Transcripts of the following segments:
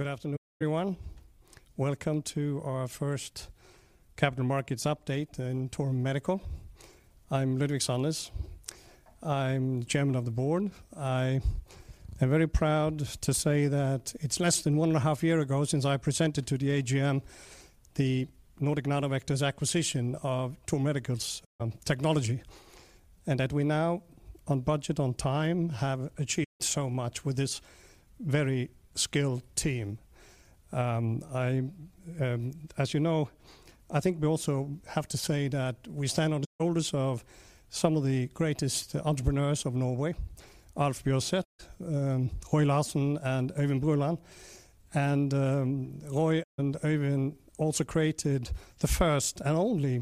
Good afternoon, everyone. Welcome to our first Capital Markets Update in Thor Medical. I'm Ludvik Sandnes. I'm the Chairman of the Board. I am very proud to say that it's less than one and a half years ago since I presented to the AGM the Nordic Nanovector acquisition of Thor Medical's technology, and that we now, on budget, on time, have achieved so much with this very skilled team. As you know, I think we also have to say that we stand on the shoulders of some of the greatest entrepreneurs of Norway: Alf Bjørseth, Roy Larsen, and Øyvind Bruland. And Roy and Øyvind also created the first and only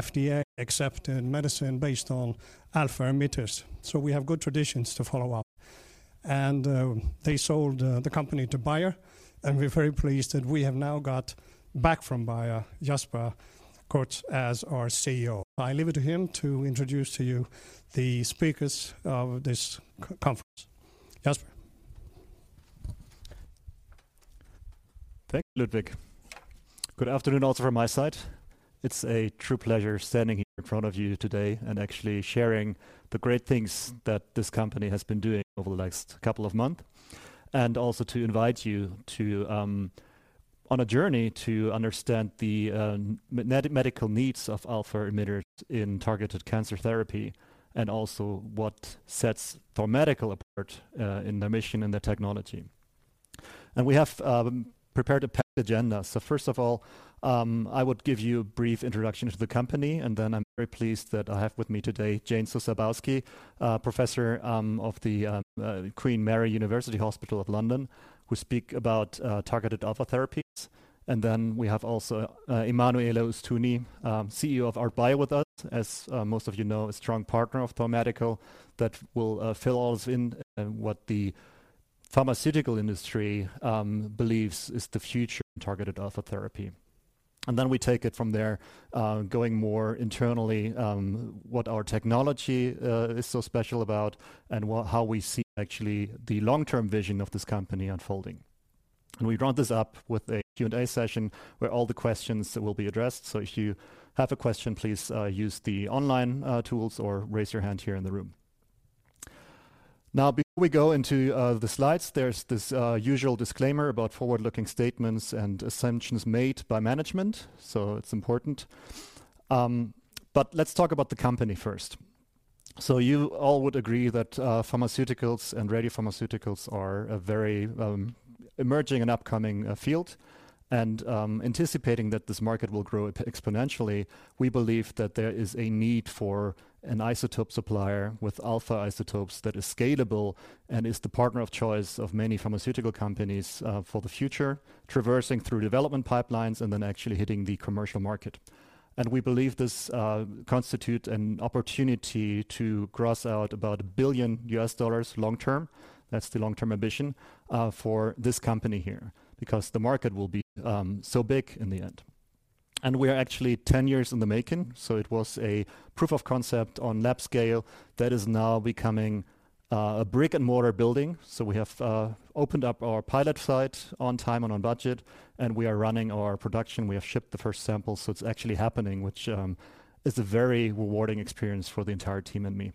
FDA-accepted medicine based on alpha-emitters. So we have good traditions to follow up. And they sold the company to Bayer, and we're very pleased that we have now got back from Bayer, Jasper Kurth, as our CEO. I leave it to him to introduce to you the speakers of this conference. Jasper. Thank you, Ludvik. Good afternoon also from my side. It's a true pleasure standing here in front of you today and actually sharing the great things that this company has been doing over the last couple of months, and also to invite you on a journey to understand the medical needs of alpha-emitters in targeted cancer therapy, and also what sets Thor Medical apart in their mission and their technology. We have prepared a packed agenda. First of all, I would give you a brief introduction to the company, and then I'm very pleased that I have with me today Jane Sosabowski, Professor at Queen Mary University of London, who speaks about targeted alpha therapies. And then we have also Emanuele Ostuni, CEO of ArtBio with us, as most of you know, a strong partner of Thor Medical that will fill us in on what the pharmaceutical industry believes is the future in targeted alpha therapy. And then we take it from there, going more internally, what our technology is so special about and how we see actually the long-term vision of this company unfolding. And we round this up with a Q&A session where all the questions will be addressed. So if you have a question, please use the online tools or raise your hand here in the room. Now, before we go into the slides, there's this usual disclaimer about forward-looking statements and assumptions made by management. So it's important. But let's talk about the company first. So you all would agree that pharmaceuticals and radiopharmaceuticals are a very emerging and upcoming field. Anticipating that this market will grow exponentially, we believe that there is a need for an isotope supplier with alpha isotopes that is scalable and is the partner of choice of many pharmaceutical companies for the future, traversing through development pipelines and then actually hitting the commercial market. We believe this constitutes an opportunity to grow to about $1 billion long-term. That's the long-term ambition for this company here, because the market will be so big in the end. We are actually 10 years in the making. It was a proof of concept on lab scale that is now becoming a brick-and-mortar building. We have opened up our pilot site on time and on budget, and we are running our production. We have shipped the first samples, so it's actually happening, which is a very rewarding experience for the entire team and me.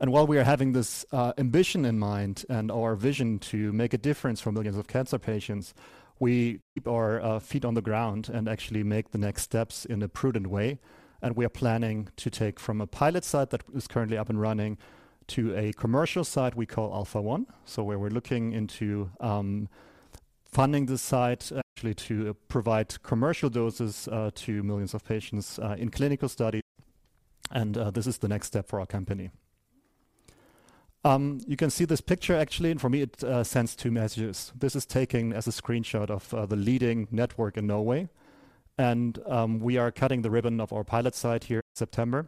While we are having this ambition in mind and our vision to make a difference for millions of cancer patients, we keep our feet on the ground and actually make the next steps in a prudent way. We are planning to take from a pilot site that is currently up and running to a commercial site we call Alpha-1, so where we're looking into funding the site actually to provide commercial doses to millions of patients in clinical study. This is the next step for our company. You can see this picture, actually, and for me, it sends two messages. This is taken as a screenshot of the LinkedIn network in Norway, and we are cutting the ribbon of our pilot site here in September.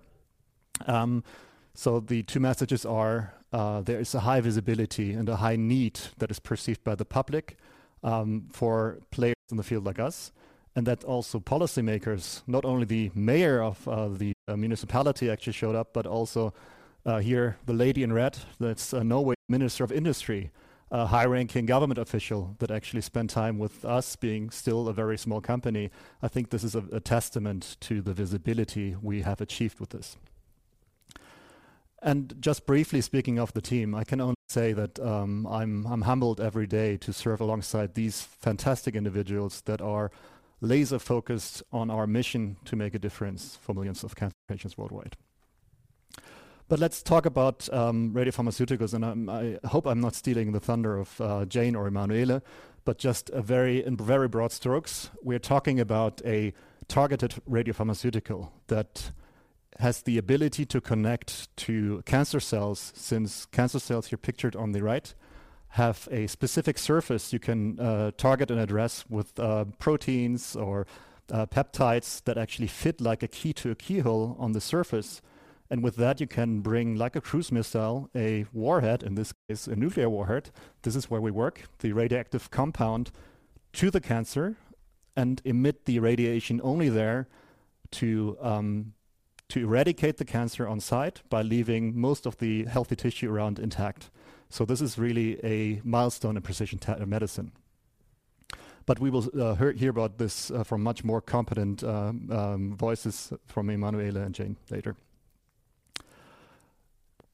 So the two messages are: there is a high visibility and a high need that is perceived by the public for players in the field like us, and that also policymakers, not only the mayor of the municipality actually showed up, but also here, the lady in red, that's the Norwegian Minister of Industry, a high-ranking government official that actually spent time with us, being still a very small company. I think this is a testament to the visibility we have achieved with this. And just briefly speaking of the team, I can only say that I'm humbled every day to serve alongside these fantastic individuals that are laser-focused on our mission to make a difference for millions of cancer patients worldwide. But let's talk about radiopharmaceuticals, and I hope I'm not stealing the thunder of Jane or Emanuele, but just in very broad strokes, we're talking about a targeted radiopharmaceutical that has the ability to connect to cancer cells, since cancer cells here pictured on the right have a specific surface you can target and address with proteins or peptides that actually fit like a key to a keyhole on the surface. And with that, you can bring like a cruise missile, a warhead, in this case, a nuclear warhead. This is where we work, the radioactive compound to the cancer and emit the radiation only there to eradicate the cancer on site by leaving most of the healthy tissue around intact. So this is really a milestone in precision medicine. But we will hear about this from much more competent voices from Emanuele and Jane later.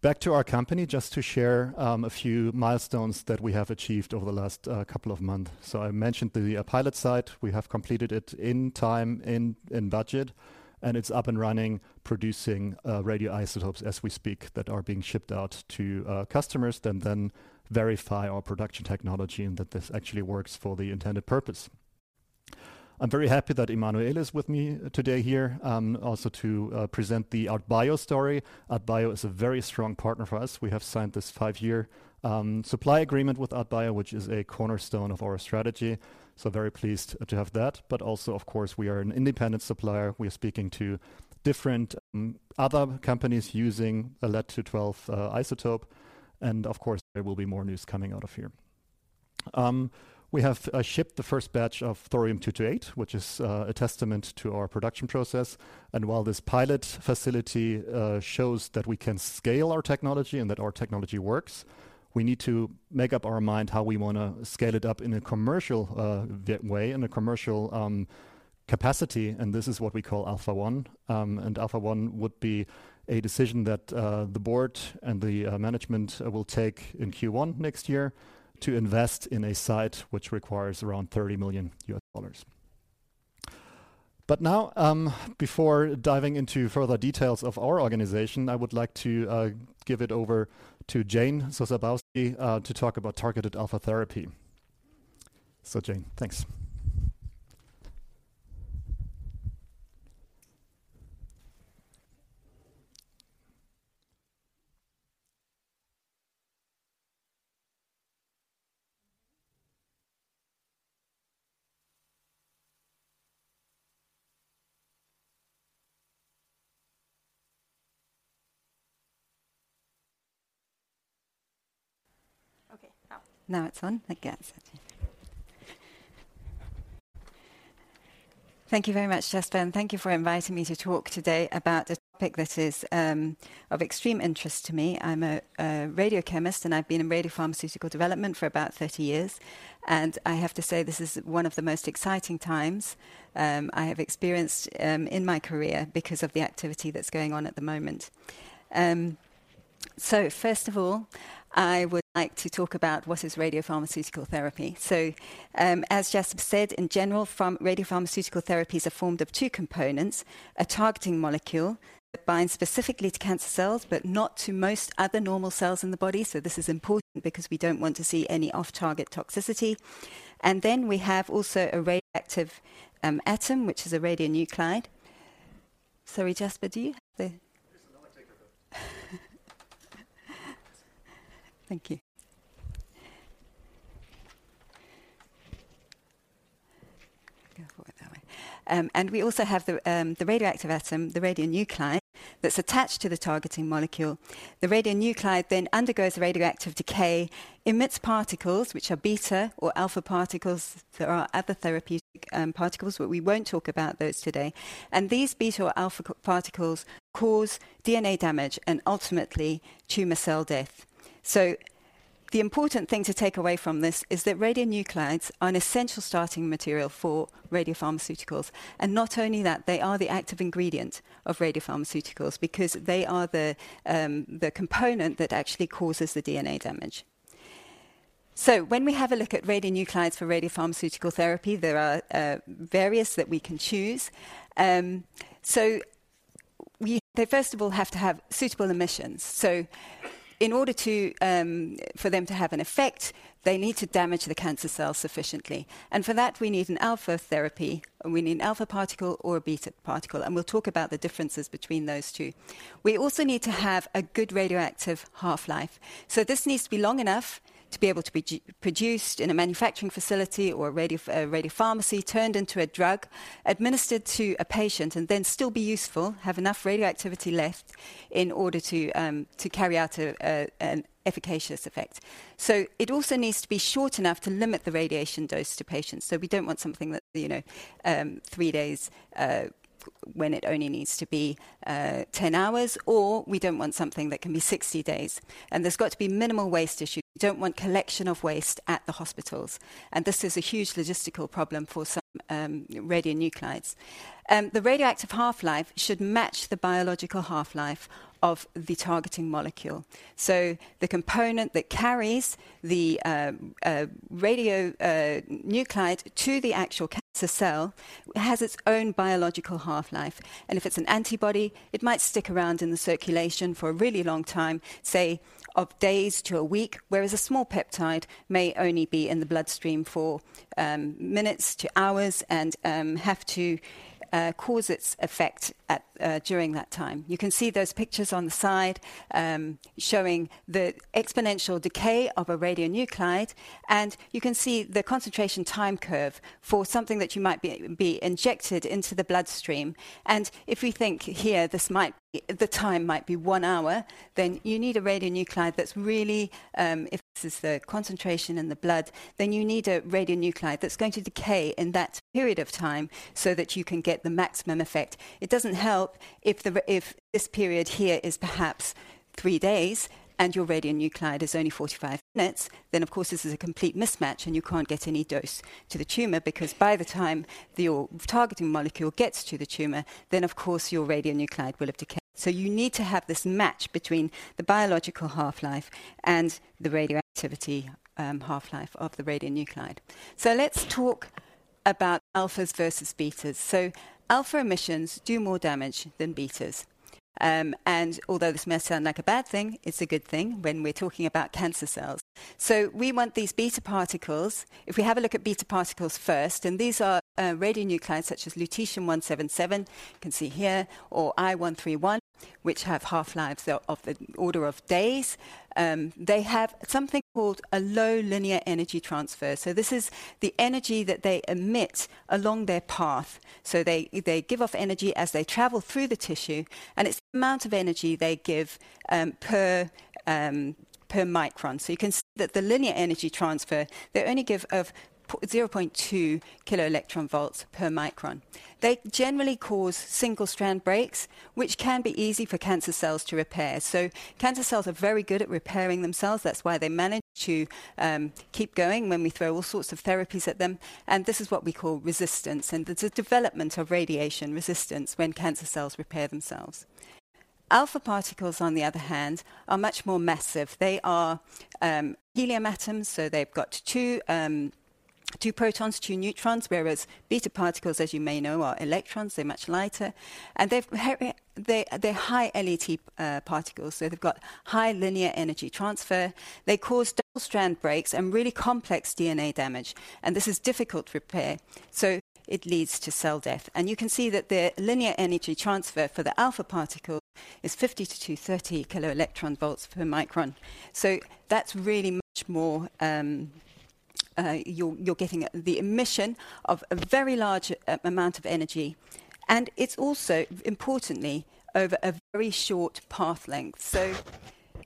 Back to our company, just to share a few milestones that we have achieved over the last couple of months, so I mentioned the pilot site. We have completed it in time, in budget, and it's up and running, producing radioisotopes as we speak that are being shipped out to customers that then verify our production technology and that this actually works for the intended purpose. I'm very happy that Emanuele is with me today here, also to present the ArtBio story. ArtBio is a very strong partner for us. We have signed this five-year supply agreement with ArtBio, which is a cornerstone of our strategy, so very pleased to have that. But also, of course, we are an independent supplier. We are speaking to different other companies using a lead-212 isotope, and of course, there will be more news coming out of here. We have shipped the first batch of thorium-228, which is a testament to our production process. And while this pilot facility shows that we can scale our technology and that our technology works, we need to make up our mind how we want to scale it up in a commercial way, in a commercial capacity. And this is what we call Alpha-1. And Alpha-1 would be a decision that the board and the management will take in Q1 next year to invest in a site which requires around $30 million. But now, before diving into further details of our organization, I would like to give it over to Jane Sosabowski to talk about targeted alpha therapy. So Jane, thanks. Okay, now it's on. Thank you very much, Jasper. And thank you for inviting me to talk today about a topic that is of extreme interest to me. I'm a radiochemist, and I've been in radiopharmaceutical development for about 30 years. And I have to say this is one of the most exciting times I have experienced in my career because of the activity that's going on at the moment. So first of all, I would like to talk about what is radiopharmaceutical therapy. So as Jasper said, in general, radiopharmaceutical therapies are formed of two components: a targeting molecule that binds specifically to cancer cells, but not to most other normal cells in the body. So this is important because we don't want to see any off-target toxicity. And then we have also a radioactive atom, which is a radionuclide. Sorry, Jasper, do you have the... Thank you. We also have the radioactive atom, the radionuclide that's attached to the targeting molecule. The radionuclide then undergoes radioactive decay, emits particles, which are beta or alpha particles. There are other therapeutic particles, but we won't talk about those today. These beta or alpha particles cause DNA damage and ultimately tumor cell death. The important thing to take away from this is that radionuclides are an essential starting material for radiopharmaceuticals. Not only that, they are the active ingredient of radiopharmaceuticals because they are the component that actually causes the DNA damage. When we have a look at radionuclides for radiopharmaceutical therapy, there are various that we can choose. We, first of all, have to have suitable emissions. In order for them to have an effect, they need to damage the cancer cells sufficiently. For that, we need an alpha therapy. We need an alpha particle or a beta particle. And we'll talk about the differences between those two. We also need to have a good radioactive half-life. So this needs to be long enough to be able to be produced in a manufacturing facility or a radiopharmacy, turned into a drug, administered to a patient, and then still be useful, have enough radioactivity left in order to carry out an efficacious effect. So it also needs to be short enough to limit the radiation dose to patients. So we don't want something that's three days when it only needs to be 10 hours, or we don't want something that can be 60 days. And there's got to be minimal waste issues. We don't want collection of waste at the hospitals. And this is a huge logistical problem for some radionuclides. The radioactive half-life should match the biological half-life of the targeting molecule. So the component that carries the radionuclide to the actual cancer cell has its own biological half-life. And if it's an antibody, it might stick around in the circulation for a really long time, say, of days to a week, whereas a small peptide may only be in the bloodstream for minutes to hours and have to cause its effect during that time. You can see those pictures on the side showing the exponential decay of a radionuclide. And you can see the concentration time curve for something that you might be injected into the bloodstream. If we think here the time might be one hour, then you need a radionuclide that's really, if this is the concentration in the blood, then you need a radionuclide that's going to decay in that period of time so that you can get the maximum effect. It doesn't help if this period here is perhaps three days and your radionuclide is only 45 minutes. Then, of course, this is a complete mismatch, and you can't get any dose to the tumor because by the time your targeting molecule gets to the tumor, then, of course, your radionuclide will have decayed. So you need to have this match between the biological half-life and the radioactivity half-life of the radionuclide. So let's talk about alphas versus betas. So alpha emissions do more damage than betas. Although this may sound like a bad thing, it's a good thing when we're talking about cancer cells. So we want these beta particles. If we have a look at beta particles first, and these are radionuclides such as Lutetium-177, you can see here, or I-131, which have half-lives of the order of days. They have something called a low linear energy transfer. So this is the energy that they emit along their path. So they give off energy as they travel through the tissue, and it's the amount of energy they give per micron. So you can see that the linear energy transfer, they only give off 0.2 kiloelectron volts per micron. They generally cause single-strand breaks, which can be easy for cancer cells to repair. So cancer cells are very good at repairing themselves. That's why they manage to keep going when we throw all sorts of therapies at them. And this is what we call resistance. And there's a development of radiation resistance when cancer cells repair themselves. Alpha particles, on the other hand, are much more massive. They are helium atoms, so they've got two protons, two neutrons, whereas beta particles, as you may know, are electrons. They're much lighter. And they're high LET particles, so they've got high linear energy transfer. They cause double-strand breaks and really complex DNA damage. And this is difficult to repair, so it leads to cell death. And you can see that the linear energy transfer for the alpha particle is 50-230 kiloelectron volts per micron. So that's really much more you're getting the emission of a very large amount of energy. And it's also, importantly, over a very short path length. So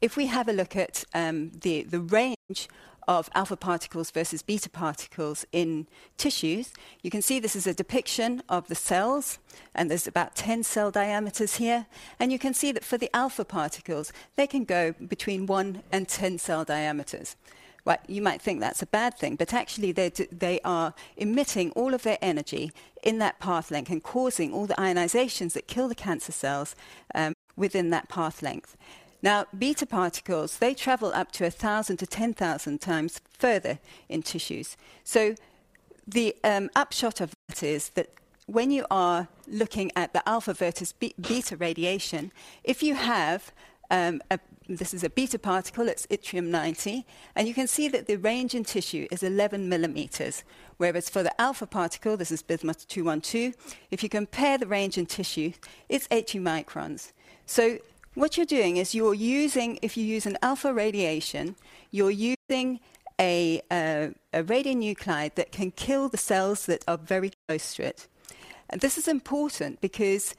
if we have a look at the range of alpha particles versus beta particles in tissues, you can see this is a depiction of the cells, and there's about 10 cell diameters here, and you can see that for the alpha particles, they can go between one and 10 cell diameters. You might think that's a bad thing, but actually, they are emitting all of their energy in that path length and causing all the ionizations that kill the cancer cells within that path length. Now, beta particles, they travel up to 1,000-10,000x further in tissues. The upshot of that is that when you are looking at the alpha versus beta radiation, if you have this is a beta particle, it's yttrium-90, and you can see that the range in tissue is 11 mm, whereas for the alpha particle, this is bismuth-212, if you compare the range in tissue, it's 80 microns. What you're doing is you're using if you use an alpha radiation, you're using a radionuclide that can kill the cells that are very close to it. This is important because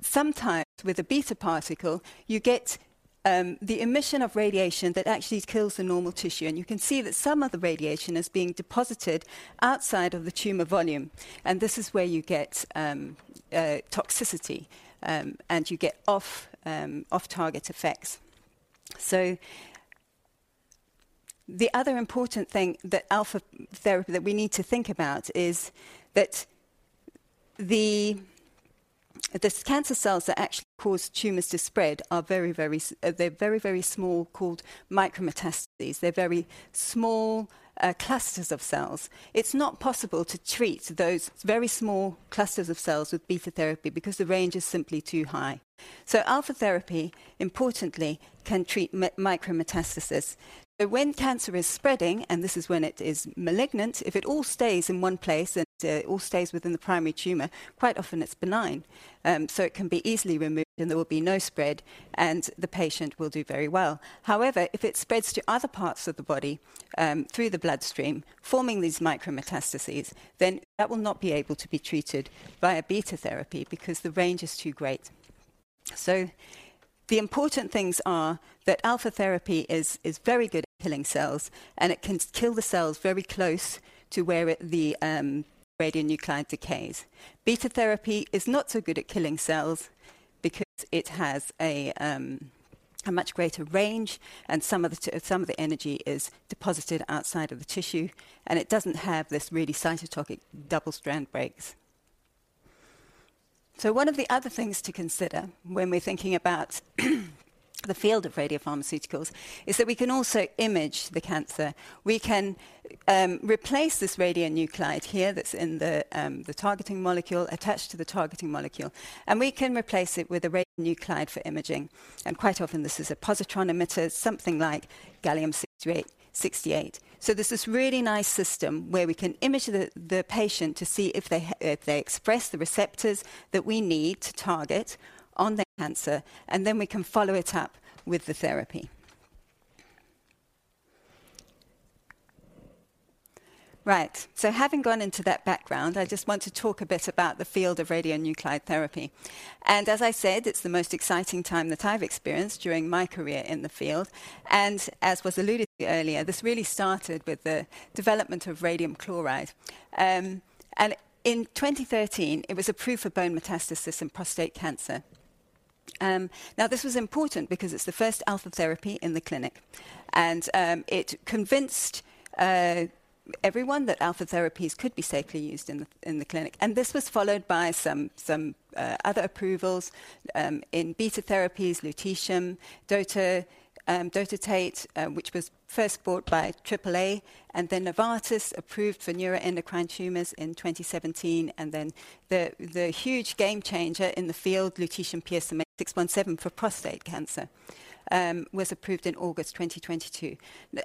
sometimes with a beta particle, you get the emission of radiation that actually kills the normal tissue. You can see that some of the radiation is being deposited outside of the tumor volume. This is where you get toxicity and you get off-target effects. The other important thing that alpha therapy that we need to think about is that the cancer cells that actually cause tumors to spread are very, very small, called micrometastases. They're very small clusters of cells. It's not possible to treat those very small clusters of cells with beta therapy because the range is simply too high. Alpha therapy, importantly, can treat micrometastases. When cancer is spreading, and this is when it is malignant, if it all stays in one place and it all stays within the primary tumor, quite often it's benign. It can be easily removed, and there will be no spread, and the patient will do very well. However, if it spreads to other parts of the body through the bloodstream, forming these micrometastases, then that will not be able to be treated by a beta therapy because the range is too great. So the important things are that alpha therapy is very good at killing cells, and it can kill the cells very close to where the radionuclide decays. Beta therapy is not so good at killing cells because it has a much greater range, and some of the energy is deposited outside of the tissue, and it doesn't have this really cytotoxic double-strand breaks. So one of the other things to consider when we're thinking about the field of radiopharmaceuticals is that we can also image the cancer. We can replace this radionuclide here that's in the targeting molecule attached to the targeting molecule, and we can replace it with a radionuclide for imaging. And quite often, this is a positron emitter, something like gallium-68. So this is a really nice system where we can image the patient to see if they express the receptors that we need to target on the cancer, and then we can follow it up with the therapy. Right. So having gone into that background, I just want to talk a bit about the field of radionuclide therapy. And as I said, it's the most exciting time that I've experienced during my career in the field. And as was alluded to earlier, this really started with the development of radium chloride. And in 2013, it was approved for bone metastasis and prostate cancer. Now, this was important because it's the first alpha therapy in the clinic. And it convinced everyone that alpha therapies could be safely used in the clinic. This was followed by some other approvals in beta therapies, lutetium-DOTATATE, which was first bought by AAA, and then Novartis approved for neuroendocrine tumors in 2017. And then the huge game changer in the field, lutetium-PSMA-617 for prostate cancer, was approved in August 2022.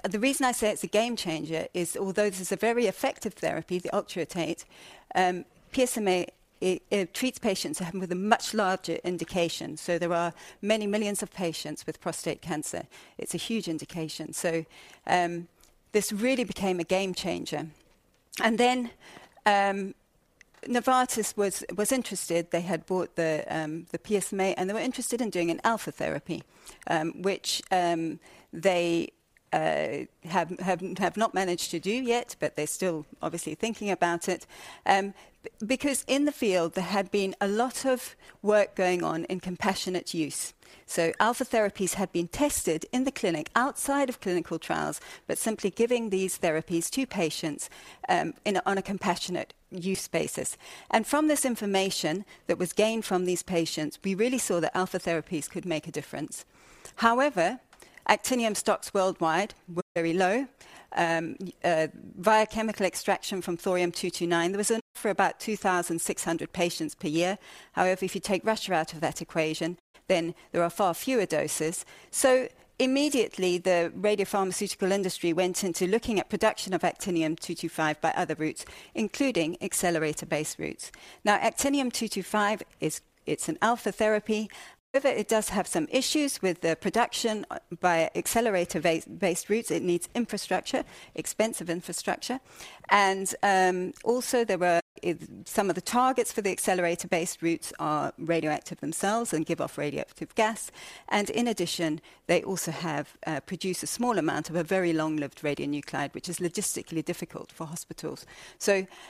The reason I say it's a game changer is although this is a very effective therapy, the DOTATATE, PSMA treats patients with a much larger indication. So there are many millions of patients with prostate cancer. It's a huge indication. So this really became a game changer. And then Novartis was interested. They had bought the PSMA, and they were interested in doing an alpha therapy, which they have not managed to do yet, but they're still obviously thinking about it. Because in the field, there had been a lot of work going on in compassionate use. Alpha therapies had been tested in the clinic outside of clinical trials, but simply giving these therapies to patients on a compassionate use basis. And from this information that was gained from these patients, we really saw that alpha therapies could make a difference. However, actinium-225 stocks worldwide were very low. Biochemical extraction from thorium-229. There was enough for about 2,600 patients per year. However, if you take Russia out of that equation, then there are far fewer doses. So immediately, the radiopharmaceutical industry went into looking at production of actinium-225 by other routes, including accelerator-based routes. Now, actinium-225, it's an alpha therapy. However, it does have some issues with the production by accelerator-based routes. It needs infrastructure, expensive infrastructure. And also, some of the targets for the accelerator-based routes are radioactive themselves and give off radioactive gas. In addition, they also produce a small amount of a very long-lived radionuclide, which is logistically difficult for hospitals.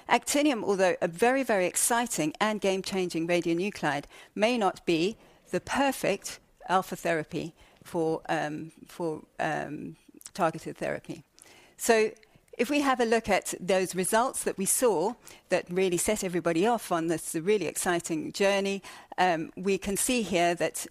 Actinium, although a very, very exciting and game-changing radionuclide, may not be the perfect alpha therapy for targeted therapy. If we have a look at those results that we saw that really set everybody off on this really exciting journey, we can see here that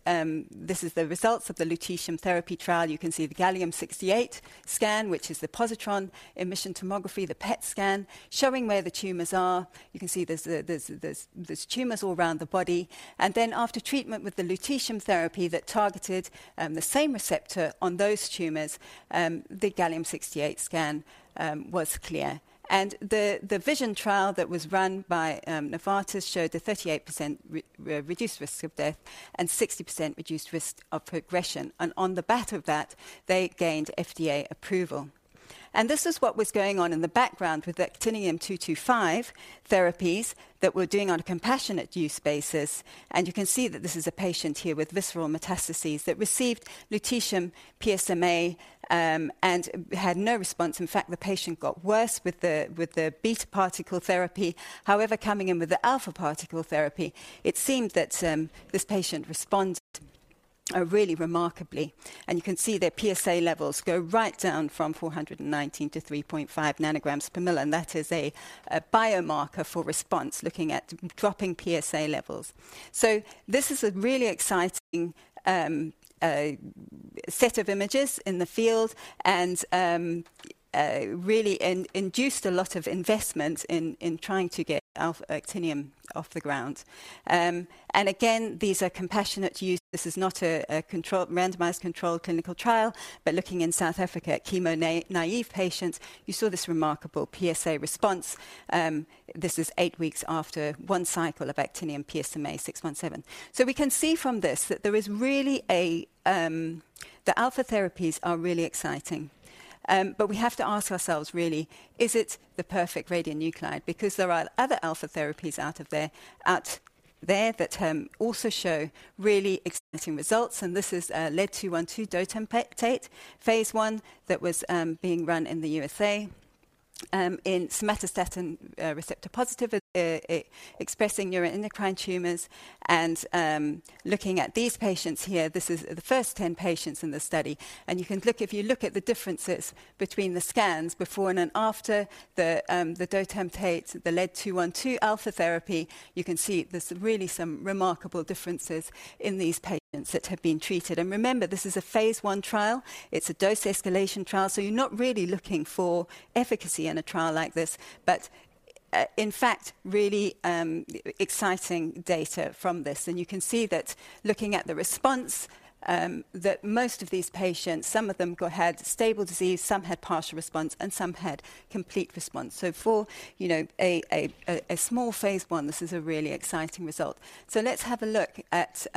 this is the results of the lutetium therapy trial. You can see the gallium-68 scan, which is the positron emission tomography, the PET scan showing where the tumors are. You can see there's tumors all around the body. Then after treatment with the lutetium therapy that targeted the same receptor on those tumors, the gallium-68 scan was clear. The VISION trial that was run by Novartis showed a 38% reduced risk of death and 60% reduced risk of progression. On the back of that, they gained FDA approval. This is what was going on in the background with the actinium-225 therapies that we're doing on a compassionate use basis. You can see that this is a patient here with visceral metastases that received lutetium, PSMA, and had no response. In fact, the patient got worse with the beta particle therapy. However, coming in with the alpha particle therapy, it seemed that this patient responded really remarkably. You can see their PSA levels go right down from 419-3.5 nanograms per milliliter. That is a biomarker for response, looking at dropping PSA levels. This is a really exciting set of images in the field and really induced a lot of investment in trying to get actinium off the ground. Again, these are compassionate use. This is not a randomized controlled clinical trial, but looking in South Africa at chemo naive patients, you saw this remarkable PSA response. This is eight weeks after one cycle of actinium-PSMA-617. So we can see from this that there is really the alpha therapies are really exciting. But we have to ask ourselves, really, is it the perfect radionuclide? Because there are other alpha therapies out there that also show really exciting results. And this is lead-212 DOTATATE Phase I that was being run in the USA in somatostatin receptor positive expressing neuroendocrine tumors. And looking at these patients here, this is the first 10 patients in the study. And you can look at the differences between the scans before and after the DOTATATE, the lead-212 alpha therapy, you can see there's really some remarkable differences in these patients that have been treated. Remember, this is a Phase I trial. It's a dose escalation trial. You're not really looking for efficacy in a trial like this, but in fact, really exciting data from this. You can see that looking at the response that most of these patients, some of them had stable disease, some had partial response, and some had complete response. For a small Phase I, this is a really exciting result. Let's have a look at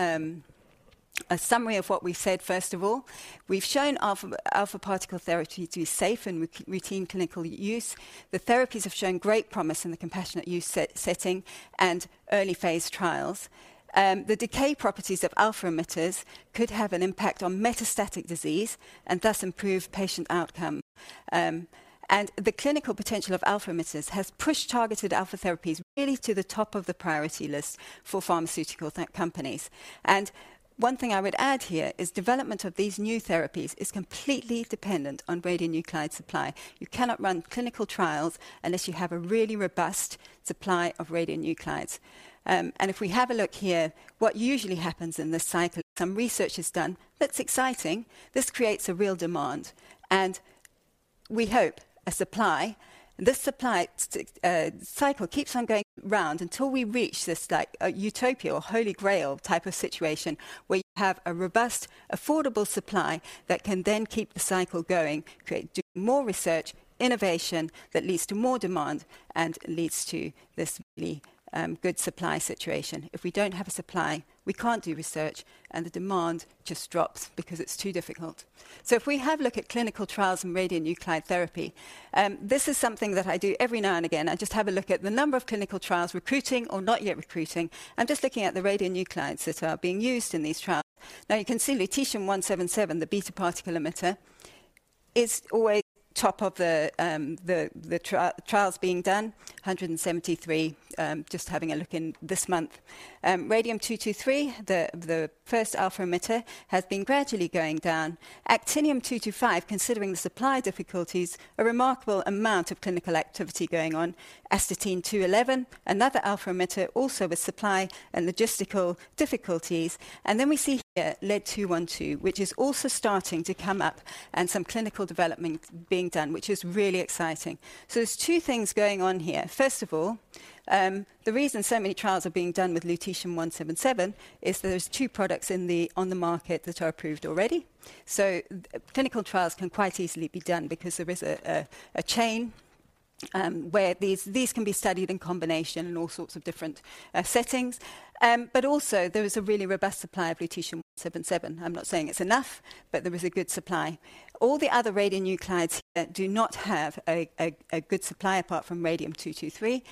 a summary of what we said. First of all, we've shown alpha particle therapy to be safe and routine clinical use. The therapies have shown great promise in the compassionate use setting and early phase trials. The decay properties of alpha emitters could have an impact on metastatic disease and thus improve patient outcome. The clinical potential of alpha emitters has pushed targeted alpha therapies really to the top of the priority list for pharmaceutical companies. One thing I would add here is development of these new therapies is completely dependent on radionuclide supply. You cannot run clinical trials unless you have a really robust supply of radionuclides. If we have a look here, what usually happens in this cycle, some research is done. That's exciting. This creates a real demand. We hope this supply cycle keeps on going around until we reach this utopia or holy grail type of situation where you have a robust, affordable supply that can then keep the cycle going, create more research, innovation that leads to more demand and leads to this really good supply situation. If we don't have a supply, we can't do research, and the demand just drops because it's too difficult. So if we have a look at clinical trials and radionuclide therapy, this is something that I do every now and again. I just have a look at the number of clinical trials recruiting or not yet recruiting. I'm just looking at the radionuclides that are being used in these trials. Now, you can see lutetium-177, the beta particle emitter, is always top of the trials being done, 173, just having a look in this month. Radium-223, the first alpha emitter, has been gradually going down. actinium-225, considering the supply difficulties, a remarkable amount of clinical activity going on. astatine-211, another alpha emitter, also with supply and logistical difficulties. Then we see here lead-212, which is also starting to come up and some clinical development being done, which is really exciting. There's two things going on here. First of all, the reason so many trials are being done with lutetium-177 is there's two products on the market that are approved already. Clinical trials can quite easily be done because there is a chain where these can be studied in combination in all sorts of different settings. Also, there is a really robust supply of lutetium-177. I'm not saying it's enough, but there is a good supply. All the other radionuclides do not have a good supply apart from radium-223.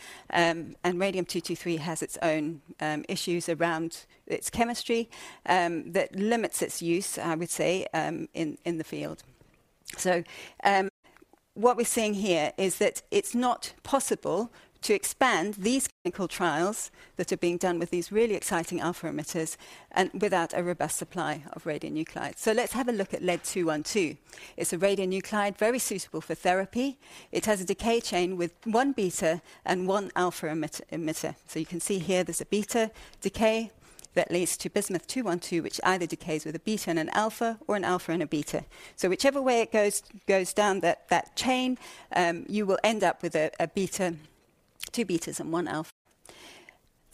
Radium-223 has its own issues around its chemistry that limits its use, I would say, in the field. What we're seeing here is that it's not possible to expand these clinical trials that are being done with these really exciting alpha emitters without a robust supply of radionuclides. So let's have a look at lead-212. It's a radionuclide very suitable for therapy. It has a decay chain with one beta and one alpha emitter. So you can see here there's a beta decay that leads to bismuth-212, which either decays with a beta and an alpha or an alpha and a beta. So whichever way it goes down that chain, you will end up with two betas and one alpha.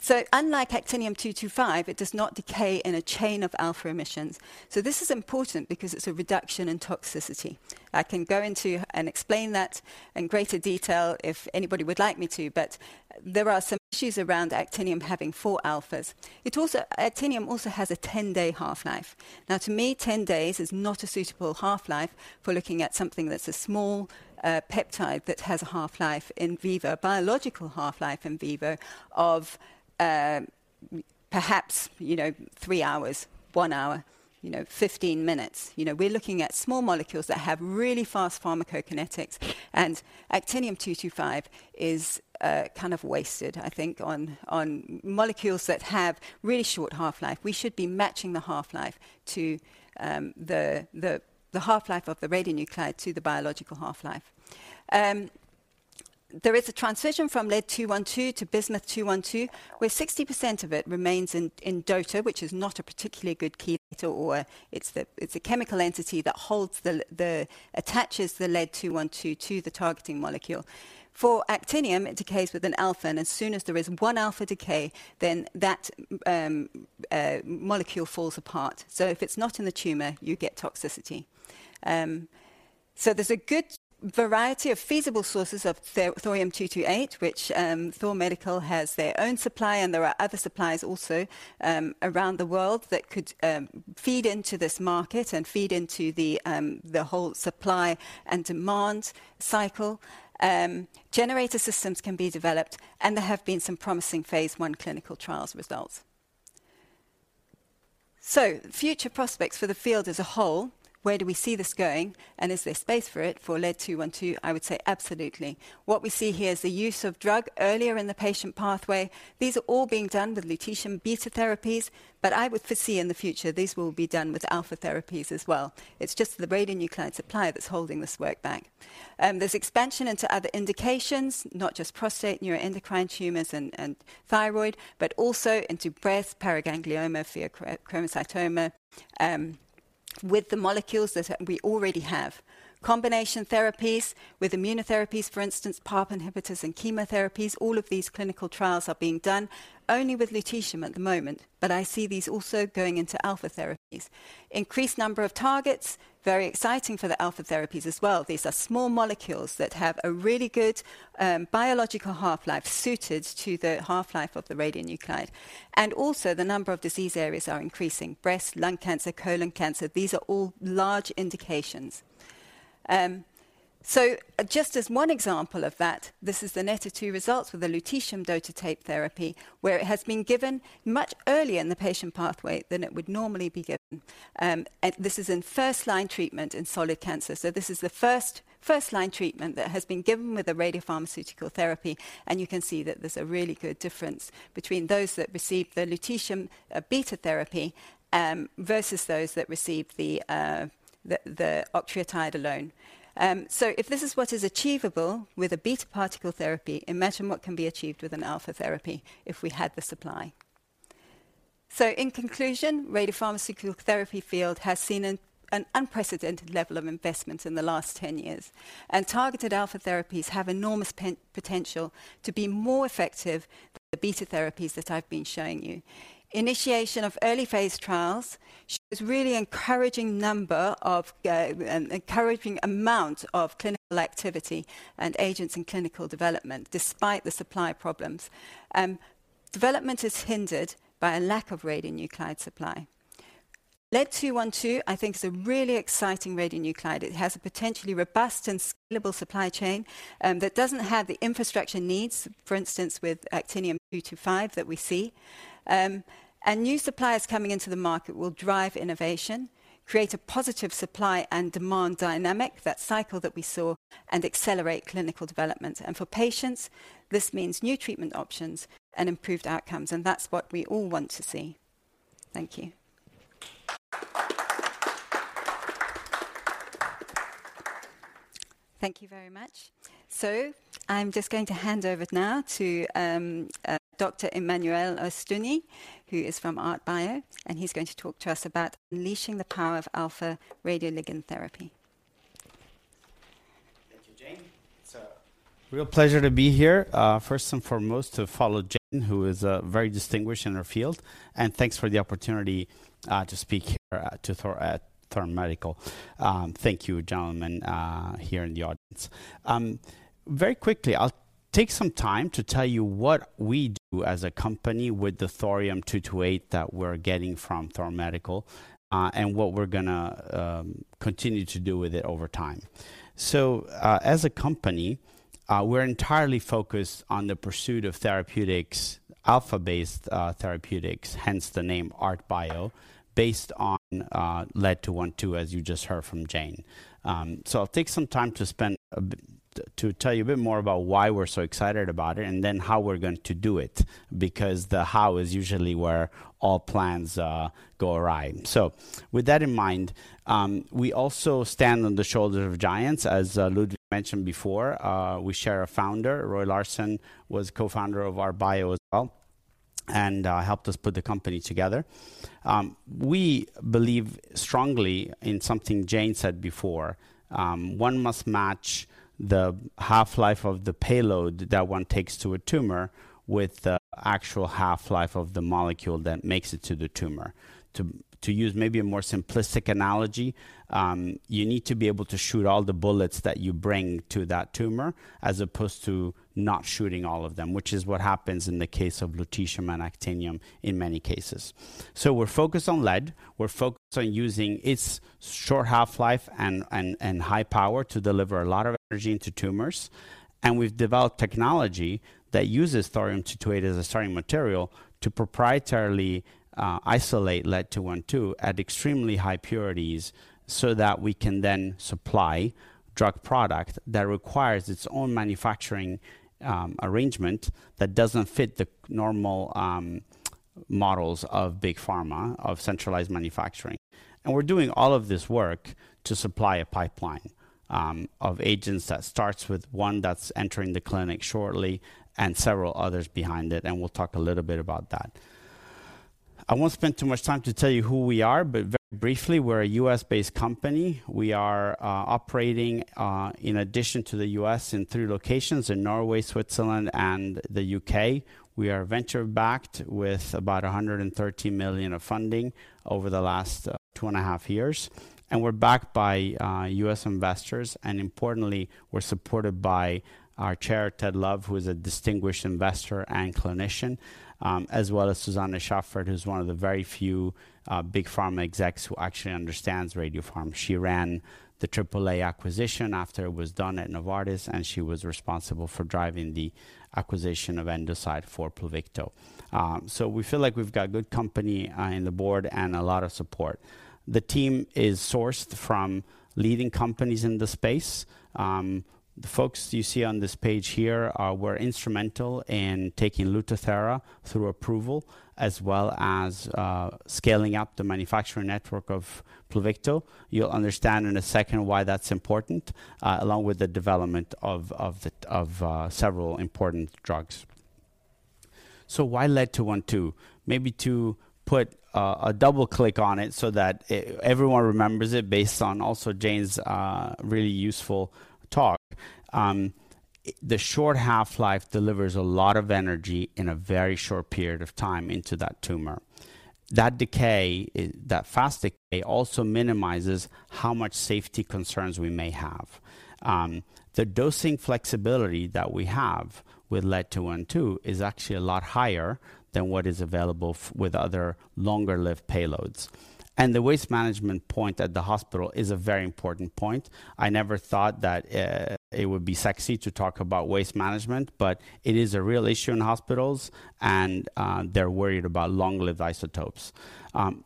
So unlike actinium-225, it does not decay in a chain of alpha emissions. So this is important because it's a reduction in toxicity. I can go into and explain that in greater detail if anybody would like me to, but there are some issues around actinium having four alphas. Actinium also has a 10-day half-life. Now, to me, 10 days is not a suitable half-life for looking at something that's a small peptide that has a half-life in vivo, biological half-life in vivo of perhaps three hours, one hour, 15 minutes. We're looking at small molecules that have really fast pharmacokinetics, and actinium-225 is kind of wasted, I think, on molecules that have really short half-life. We should be matching the half-life to the half-life of the radionuclide to the biological half-life. There is a transition from lead-212 to bismuth-212, where 60% of it remains in daughter, which is not a particularly good key beta or it's a chemical entity that holds and attaches the lead-212 to the targeting molecule. For actinium, it decays with an alpha, and as soon as there is one alpha decay, then that molecule falls apart. So if it's not in the tumor, you get toxicity. So there's a good variety of feasible sources of thorium-228, which Thor Medical has their own supply, and there are other supplies also around the world that could feed into this market and feed into the whole supply and demand cycle. Generator systems can be developed, and there have been some promising Phase I clinical trials results. So future prospects for the field as a whole, where do we see this going, and is there space for it for lead-212? I would say absolutely. What we see here is the use of drug earlier in the patient pathway. These are all being done with lutetium beta therapies, but I would foresee in the future these will be done with alpha therapies as well. It's just the radionuclide supply that's holding this work back. There's expansion into other indications, not just prostate, neuroendocrine tumors and thyroid, but also into breast, paraganglioma, pheochromocytoma with the molecules that we already have. Combination therapies with immunotherapies, for instance, PARP inhibitors and chemotherapies. All of these clinical trials are being done only with lutetium at the moment, but I see these also going into alpha therapies. Increased number of targets, very exciting for the alpha therapies as well. These are small molecules that have a really good biological half-life suited to the half-life of the radionuclide. And also, the number of disease areas are increasing: breast, lung cancer, colon cancer. These are all large indications. So just as one example of that, this is the NETTER-2 results with the lutetium dotatate therapy, where it has been given much earlier in the patient pathway than it would normally be given. This is in first-line treatment in solid cancer. So this is the first-line treatment that has been given with a radiopharmaceutical therapy. And you can see that there's a really good difference between those that receive the lutetium beta therapy versus those that receive the octreotide alone. So if this is what is achievable with a beta particle therapy, imagine what can be achieved with an alpha therapy if we had the supply. So in conclusion, the radiopharmaceutical therapy field has seen an unprecedented level of investment in the last 10 years. And targeted alpha therapies have enormous potential to be more effective than the beta therapies that I've been showing you. Initiation of early Phase trials shows really encouraging number and amount of clinical activity and agents in clinical development despite the supply problems. Development is hindered by a lack of radionuclide supply. Lead-212, I think, is a really exciting radionuclide. It has a potentially robust and scalable supply chain that doesn't have the infrastructure needs, for instance, with actinium-225 that we see. New suppliers coming into the market will drive innovation, create a positive supply and demand dynamic, that cycle that we saw, and accelerate clinical development. For patients, this means new treatment options and improved outcomes. That's what we all want to see. Thank you. Thank you very much. I'm just going to hand over now to Dr. Emanuele Ostuni, who is from ArtBio, and he's going to talk to us about unleashing the power of alpha radioligand therapy. Thank you, Jane. So. real pleasure to be here. First and foremost, to follow Jane, who is very distinguished in her field, and thanks for the opportunity to speak here at Thor Medical. Thank you, gentlemen here in the audience. Very quickly, I'll take some time to tell you what we do as a company with the thorium-228 that we're getting from Thor Medical and what we're going to continue to do with it over time. So as a company, we're entirely focused on the pursuit of therapeutics, alpha-based therapeutics, hence the name ArtBio, based on lead-212, as you just heard from Jane. So I'll take some time to spend to tell you a bit more about why we're so excited about it and then how we're going to do it, because the how is usually where all plans go awry. So with that in mind, we also stand on the shoulders of giants, as Ludvik mentioned before. We share a founder. Roy Larsen was co-founder of ArtBio as well and helped us put the company together. We believe strongly in something Jane said before. One must match the half-life of the payload that one takes to a tumor with the actual half-life of the molecule that makes it to the tumor. To use maybe a more simplistic analogy, you need to be able to shoot all the bullets that you bring to that tumor as opposed to not shooting all of them, which is what happens in the case of lutetium and actinium in many cases. So we're focused on lead. We're focused on using its short half-life and high power to deliver a lot of energy into tumors. We've developed technology that uses thorium-228 as a starting material to proprietarily isolate lead-212 at extremely high purities so that we can then supply drug product that requires its own manufacturing arrangement that doesn't fit the normal models of big pharma, of centralized manufacturing. We're doing all of this work to supply a pipeline of agents that starts with one that's entering the clinic shortly and several others behind it. We'll talk a little bit about that. I won't spend too much time to tell you who we are, but very briefly, we're a U.S. based company. We are operating in addition to the U.S. in three locations: in Norway, Switzerland, and the U.K.. We are venture-backed with about $130 million of funding over the last two and a half years. We're backed by U.S. investors. Importantly, we're supported by our chair, Ted Love, who is a distinguished investor and clinician, as well as Susanne Schaffert, who's one of the very few big pharma execs who actually understands radio pharma. She ran the AAA acquisition after it was done at Novartis, and she was responsible for driving the acquisition of Endocyte for Pluvicto. So we feel like we've got a good company on the board and a lot of support. The team is sourced from leading companies in the space. The folks you see on this page here were instrumental in taking Lutathera through approval, as well as scaling up the manufacturing network of Pluvicto. You'll understand in a second why that's important, along with the development of several important drugs. So why lead-212? Maybe to put a double click on it so that everyone remembers it based on also Jane's really useful talk. The short half-life delivers a lot of energy in a very short period of time into that tumor. That fast decay also minimizes how much safety concerns we may have. The dosing flexibility that we have with lead-212 is actually a lot higher than what is available with other longer-lived payloads, and the waste management point at the hospital is a very important point. I never thought that it would be sexy to talk about waste management, but it is a real issue in hospitals, and they're worried about long-lived isotopes.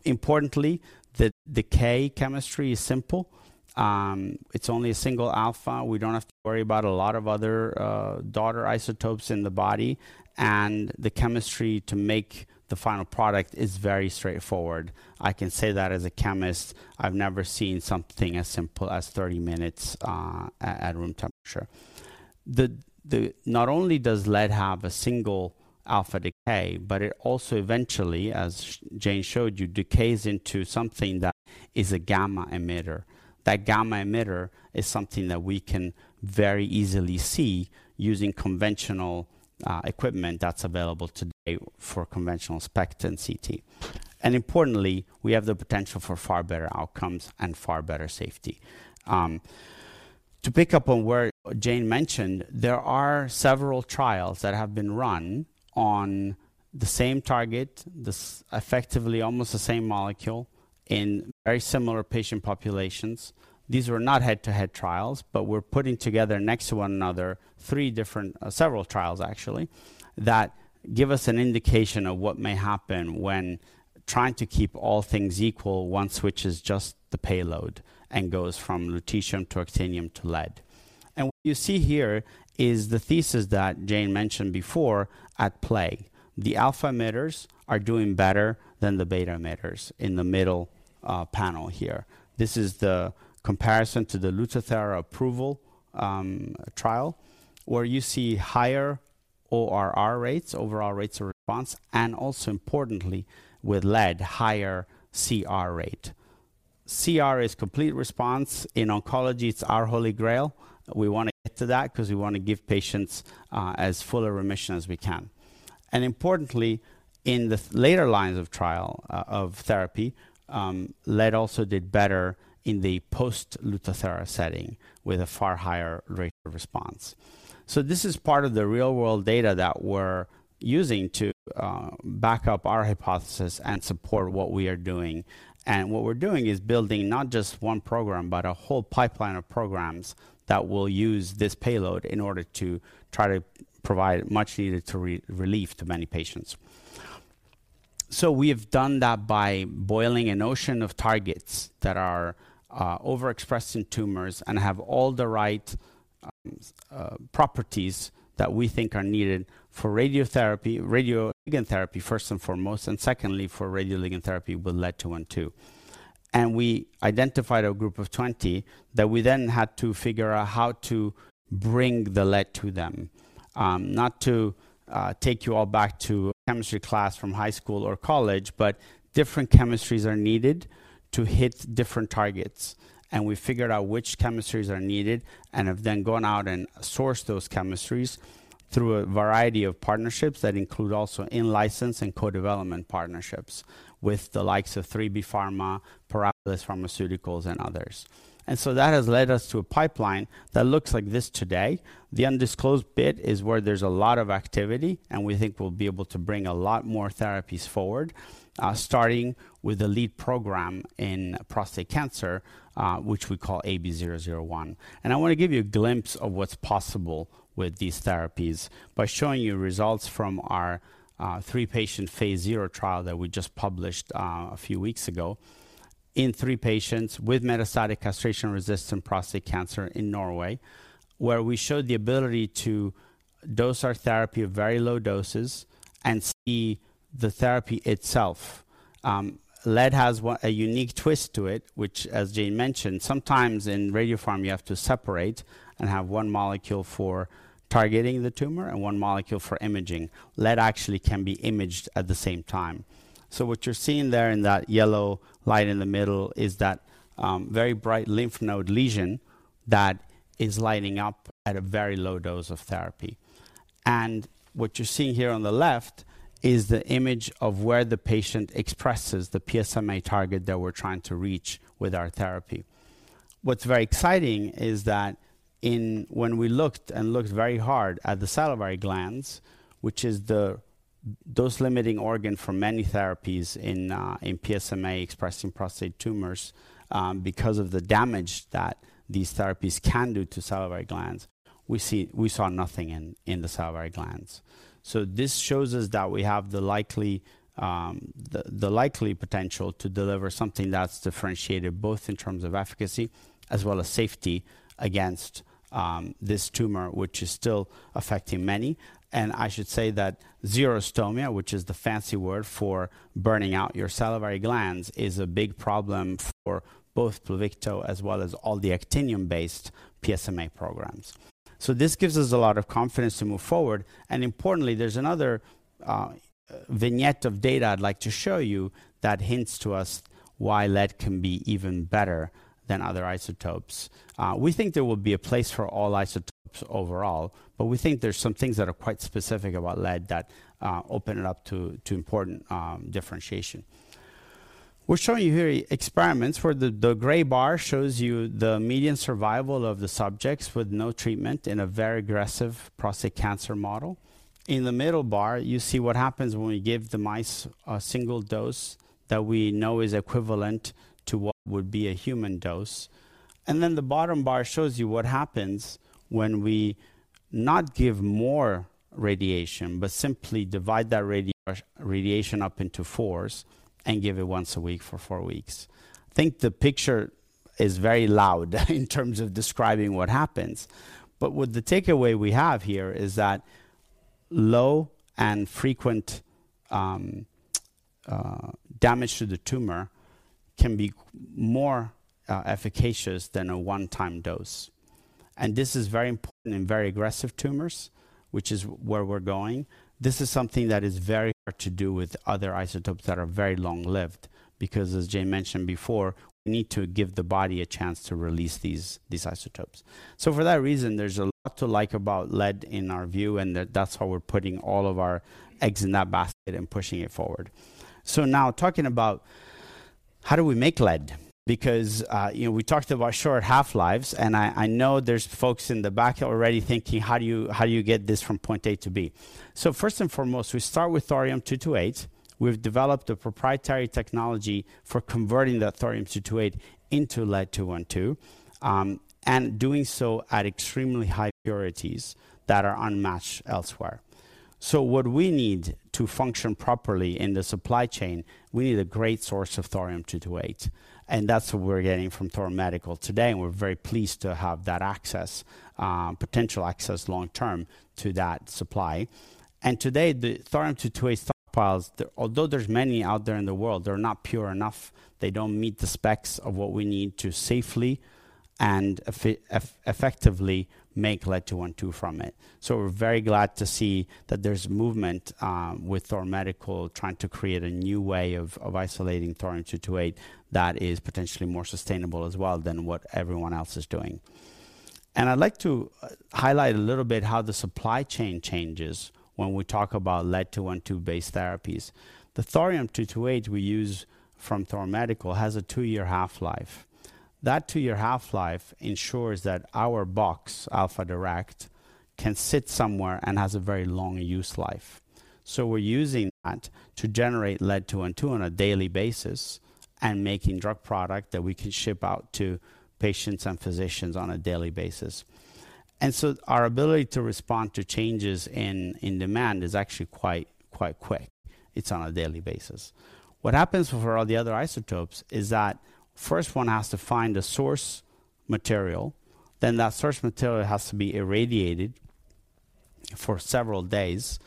Importantly, the decay chemistry is simple. It's only a single alpha. We don't have to worry about a lot of other daughter isotopes in the body, and the chemistry to make the final product is very straightforward. I can say that as a chemist. I've never seen something as simple as 30 minutes at room temperature. Not only does lead have a single alpha decay, but it also eventually, as Jane showed you, decays into something that is a gamma emitter. That gamma emitter is something that we can very easily see using conventional equipment that's available today for conventional SPECT and CT. And importantly, we have the potential for far better outcomes and far better safety. To pick up on where Jane mentioned, there are several trials that have been run on the same target, effectively almost the same molecule in very similar patient populations. These were not head-to-head trials, but we're putting together next to one another several trials, actually, that give us an indication of what may happen when trying to keep all things equal, one switches just the payload and goes from lutetium to actinium to lead. And what you see here is the thesis that Jane mentioned before at play. The alpha emitters are doing better than the beta emitters in the middle panel here. This is the comparison to the Lutathera approval trial, where you see higher ORR rates, overall rates of response, and also importantly, with lead, higher CR rate. CR is complete response. In oncology, it's our holy grail. We want to get to that because we want to give patients as full a remission as we can. And importantly, in the later lines of therapy, lead also did better in the post-Lutathera setting with a far higher rate of response. So this is part of the real-world data that we're using to back up our hypothesis and support what we are doing. And what we're doing is building not just one program, but a whole pipeline of programs that will use this payload in order to try to provide much-needed relief to many patients. We have done that by boiling an ocean of targets that are overexpressed in tumors and have all the right properties that we think are needed for radioligand therapy, first and foremost, and secondly, for radioligand therapy with lead-212. We identified a group of 20 that we then had to figure out how to bring the lead to them. Not to take you all back to chemistry class from high school or college, but different chemistries are needed to hit different targets. We figured out which chemistries are needed and have then gone out and sourced those chemistries through a variety of partnerships that include also in-license and co-development partnerships with the likes of 3B Pharma, Parabilis Pharmaceuticals, and others. That has led us to a pipeline that looks like this today. The undisclosed bit is where there's a lot of activity, and we think we'll be able to bring a lot more therapies forward, starting with the lead program in prostate cancer, which we call AB001, and I want to give you a glimpse of what's possible with these therapies by showing you results from our three-patient Phase 0 trial that we just published a few weeks ago in three patients with metastatic castration-resistant prostate cancer in Norway, where we showed the ability to dose our therapy at very low doses and see the therapy itself. Lead has a unique twist to it, which, as Jane mentioned, sometimes in radio pharma, you have to separate and have one molecule for targeting the tumor and one molecule for imaging. Lead actually can be imaged at the same time. What you're seeing there in that yellow light in the middle is that very bright lymph node lesion that is lighting up at a very low dose of therapy. What you're seeing here on the left is the image of where the patient expresses the PSMA target that we're trying to reach with our therapy. What's very exciting is that when we looked and looked very hard at the salivary glands, which is the dose-limiting organ for many therapies in PSMA-expressing prostate tumors, because of the damage that these therapies can do to salivary glands, we saw nothing in the salivary glands. This shows us that we have the likely potential to deliver something that's differentiated both in terms of efficacy as well as safety against this tumor, which is still affecting many. I should say that xerostomia, which is the fancy word for burning out your salivary glands, is a big problem for both Pluvicto as well as all the actinium-based PSMA programs. This gives us a lot of confidence to move forward. Importantly, there's another vignette of data I'd like to show you that hints to us why lead can be even better than other isotopes. We think there will be a place for all isotopes overall, but we think there's some things that are quite specific about lead that open it up to important differentiation. We're showing you here experiments where the gray bar shows you the median survival of the subjects with no treatment in a very aggressive prostate cancer model. In the middle bar, you see what happens when we give the mice a single dose that we know is equivalent to what would be a human dose. And then the bottom bar shows you what happens when we do not give more radiation, but simply divide that radiation up into fours and give it once a week for four weeks. I think the picture is very clear in terms of describing what happens. But the takeaway we have here is that low and frequent damage to the tumor can be more efficacious than a one-time dose. And this is very important in very aggressive tumors, which is where we're going. This is something that is very hard to do with other isotopes that are very long-lived, because, as Jane mentioned before, we need to give the body a chance to release these isotopes. For that reason, there's a lot to like about lead-212 in our view, and that's how we're putting all of our eggs in that basket and pushing it forward. Now talking about how do we make lead-212? Because we talked about short half-lives, and I know there's folks in the back already thinking, how do you get this from point A to B? First and foremost, we start with thorium-228. We've developed a proprietary technology for converting that thorium-228 into lead-212 and doing so at extremely high purities that are unmatched elsewhere. What we need to function properly in the supply chain, we need a great source of thorium-228. And that's what we're getting from Thor Medical today. And we're very pleased to have that potential access long-term to that supply. Today, the thorium-228 stockpiles, although there's many out there in the world, they're not pure enough. They don't meet the specs of what we need to safely and effectively make lead-212 from it. We're very glad to see that there's movement with Thor Medical trying to create a new way of isolating thorium-228 that is potentially more sustainable as well than what everyone else is doing. I'd like to highlight a little bit how the supply chain changes when we talk about lead-212-based therapies. The thorium-228 we use from Thor Medical has a two-year half-life. That two-year half-life ensures that our box, Alpha Direct, can sit somewhere and has a very long use life. We're using that to generate lead-212 on a daily basis and making drug product that we can ship out to patients and physicians on a daily basis. Our ability to respond to changes in demand is actually quite quick. It's on a daily basis. What happens for all the other isotopes is that first one has to find a source material. Then that source material has to be irradiated for several days.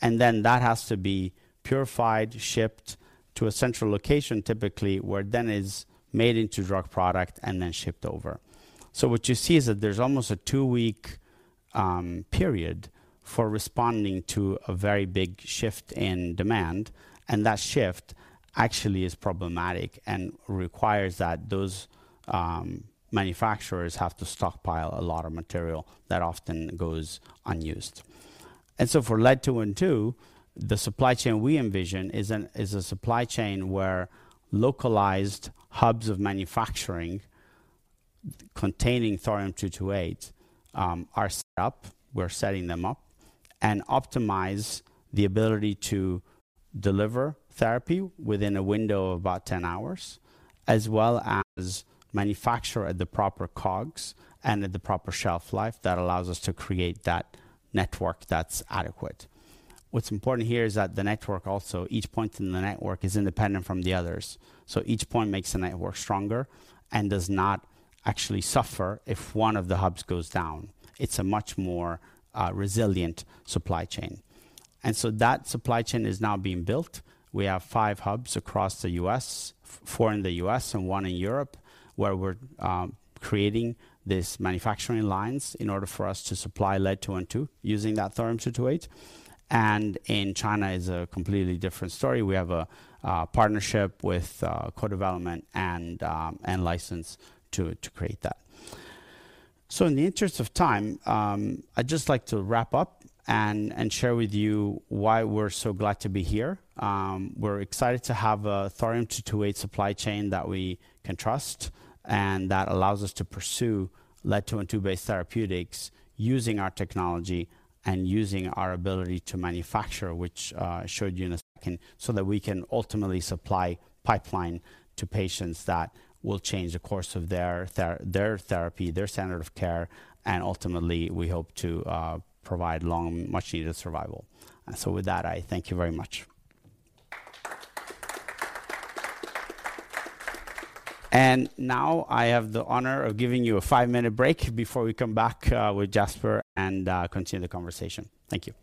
Then that has to be purified, shipped to a central location, typically, where then it's made into drug product and then shipped over. What you see is that there's almost a two-week period for responding to a very big shift in demand. That shift actually is problematic and requires that those manufacturers have to stockpile a lot of material that often goes unused. For lead-212, the supply chain we envision is a supply chain where localized hubs of manufacturing containing thorium-228 are set up. We're setting them up and optimize the ability to deliver therapy within a window of about 10 hours, as well as manufacture at the proper COGS and at the proper shelf life that allows us to create that network that's adequate. What's important here is that the network also, each point in the network is independent from the others, so each point makes the network stronger and does not actually suffer if one of the hubs goes down. It's a much more resilient supply chain, and so that supply chain is now being built. We have five hubs across the U.S., four in the U.S. and one in Europe, where we're creating these manufacturing lines in order for us to supply lead-212 using that thorium-228, and in China is a completely different story. We have a partnership with co-development and license to create that. In the interest of time, I'd just like to wrap up and share with you why we're so glad to be here. We're excited to have a thorium-228 supply chain that we can trust and that allows us to pursue lead-212-based therapeutics using our technology and using our ability to manufacture, which I showed you in a second, so that we can ultimately supply pipeline to patients that will change the course of their therapy, their standard of care, and ultimately, we hope to provide long, much-needed survival. With that, I thank you very much. Now I have the honor of giving you a five-minute break before we come back with Jasper and continue the conversation. Thank you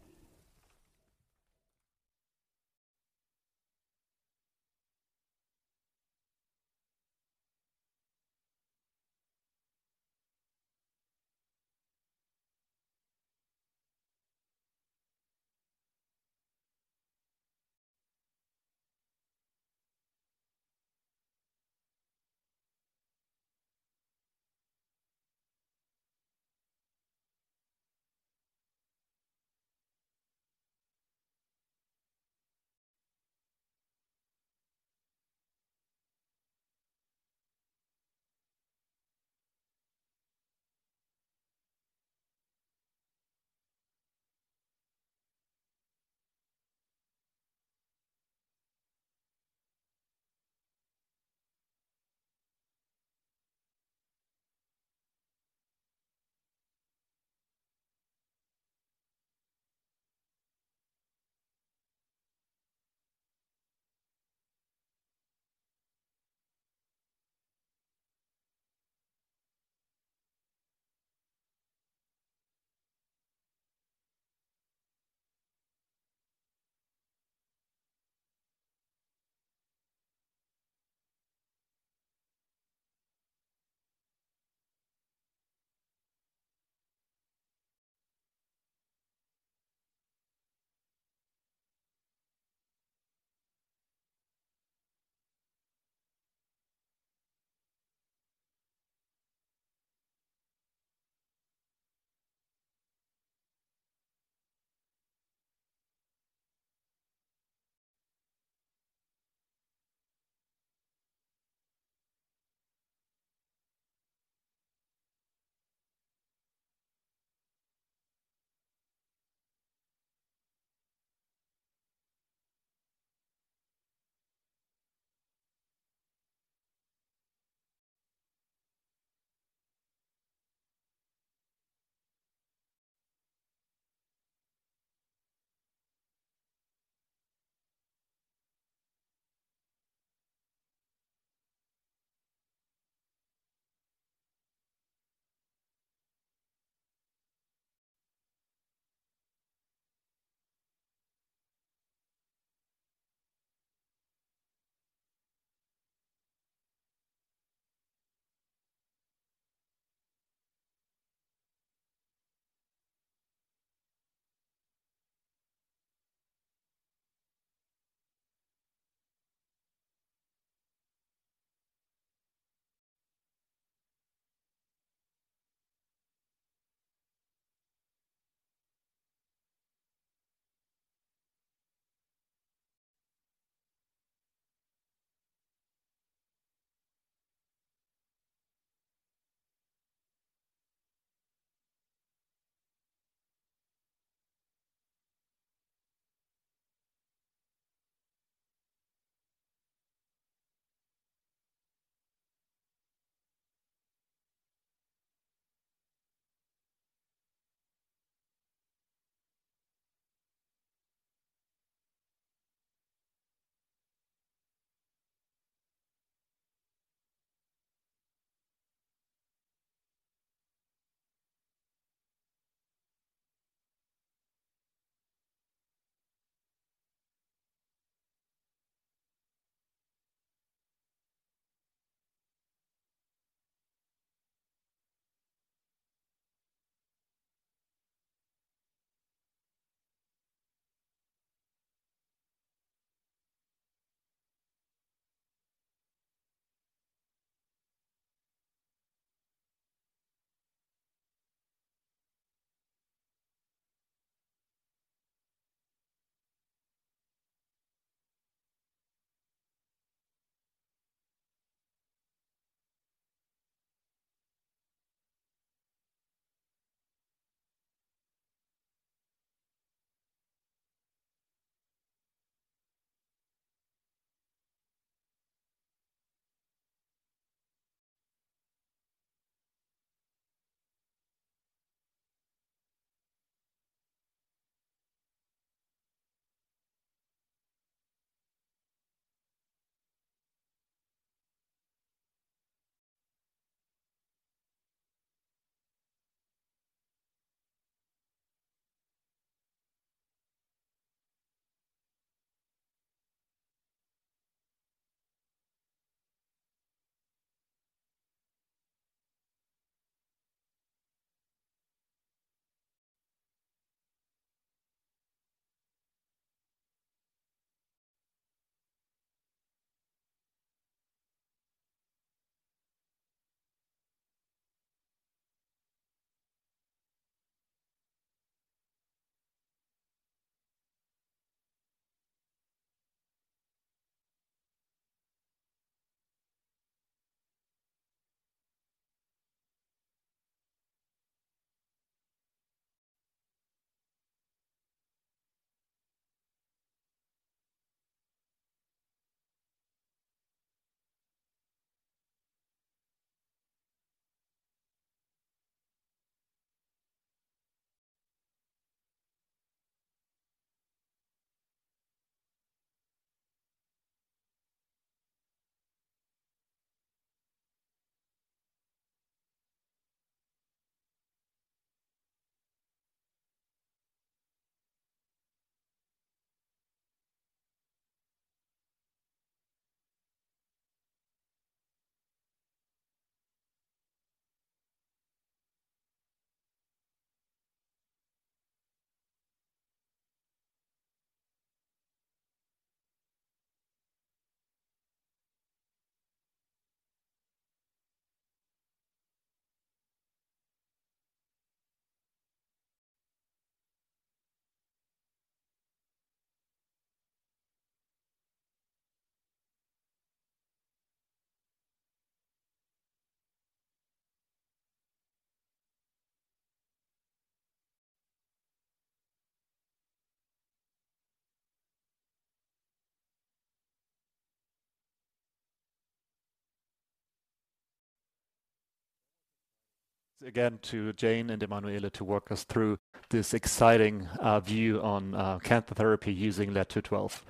Again to Jane and Emanuele to walk us through this exciting view on cancer therapy using lead-212.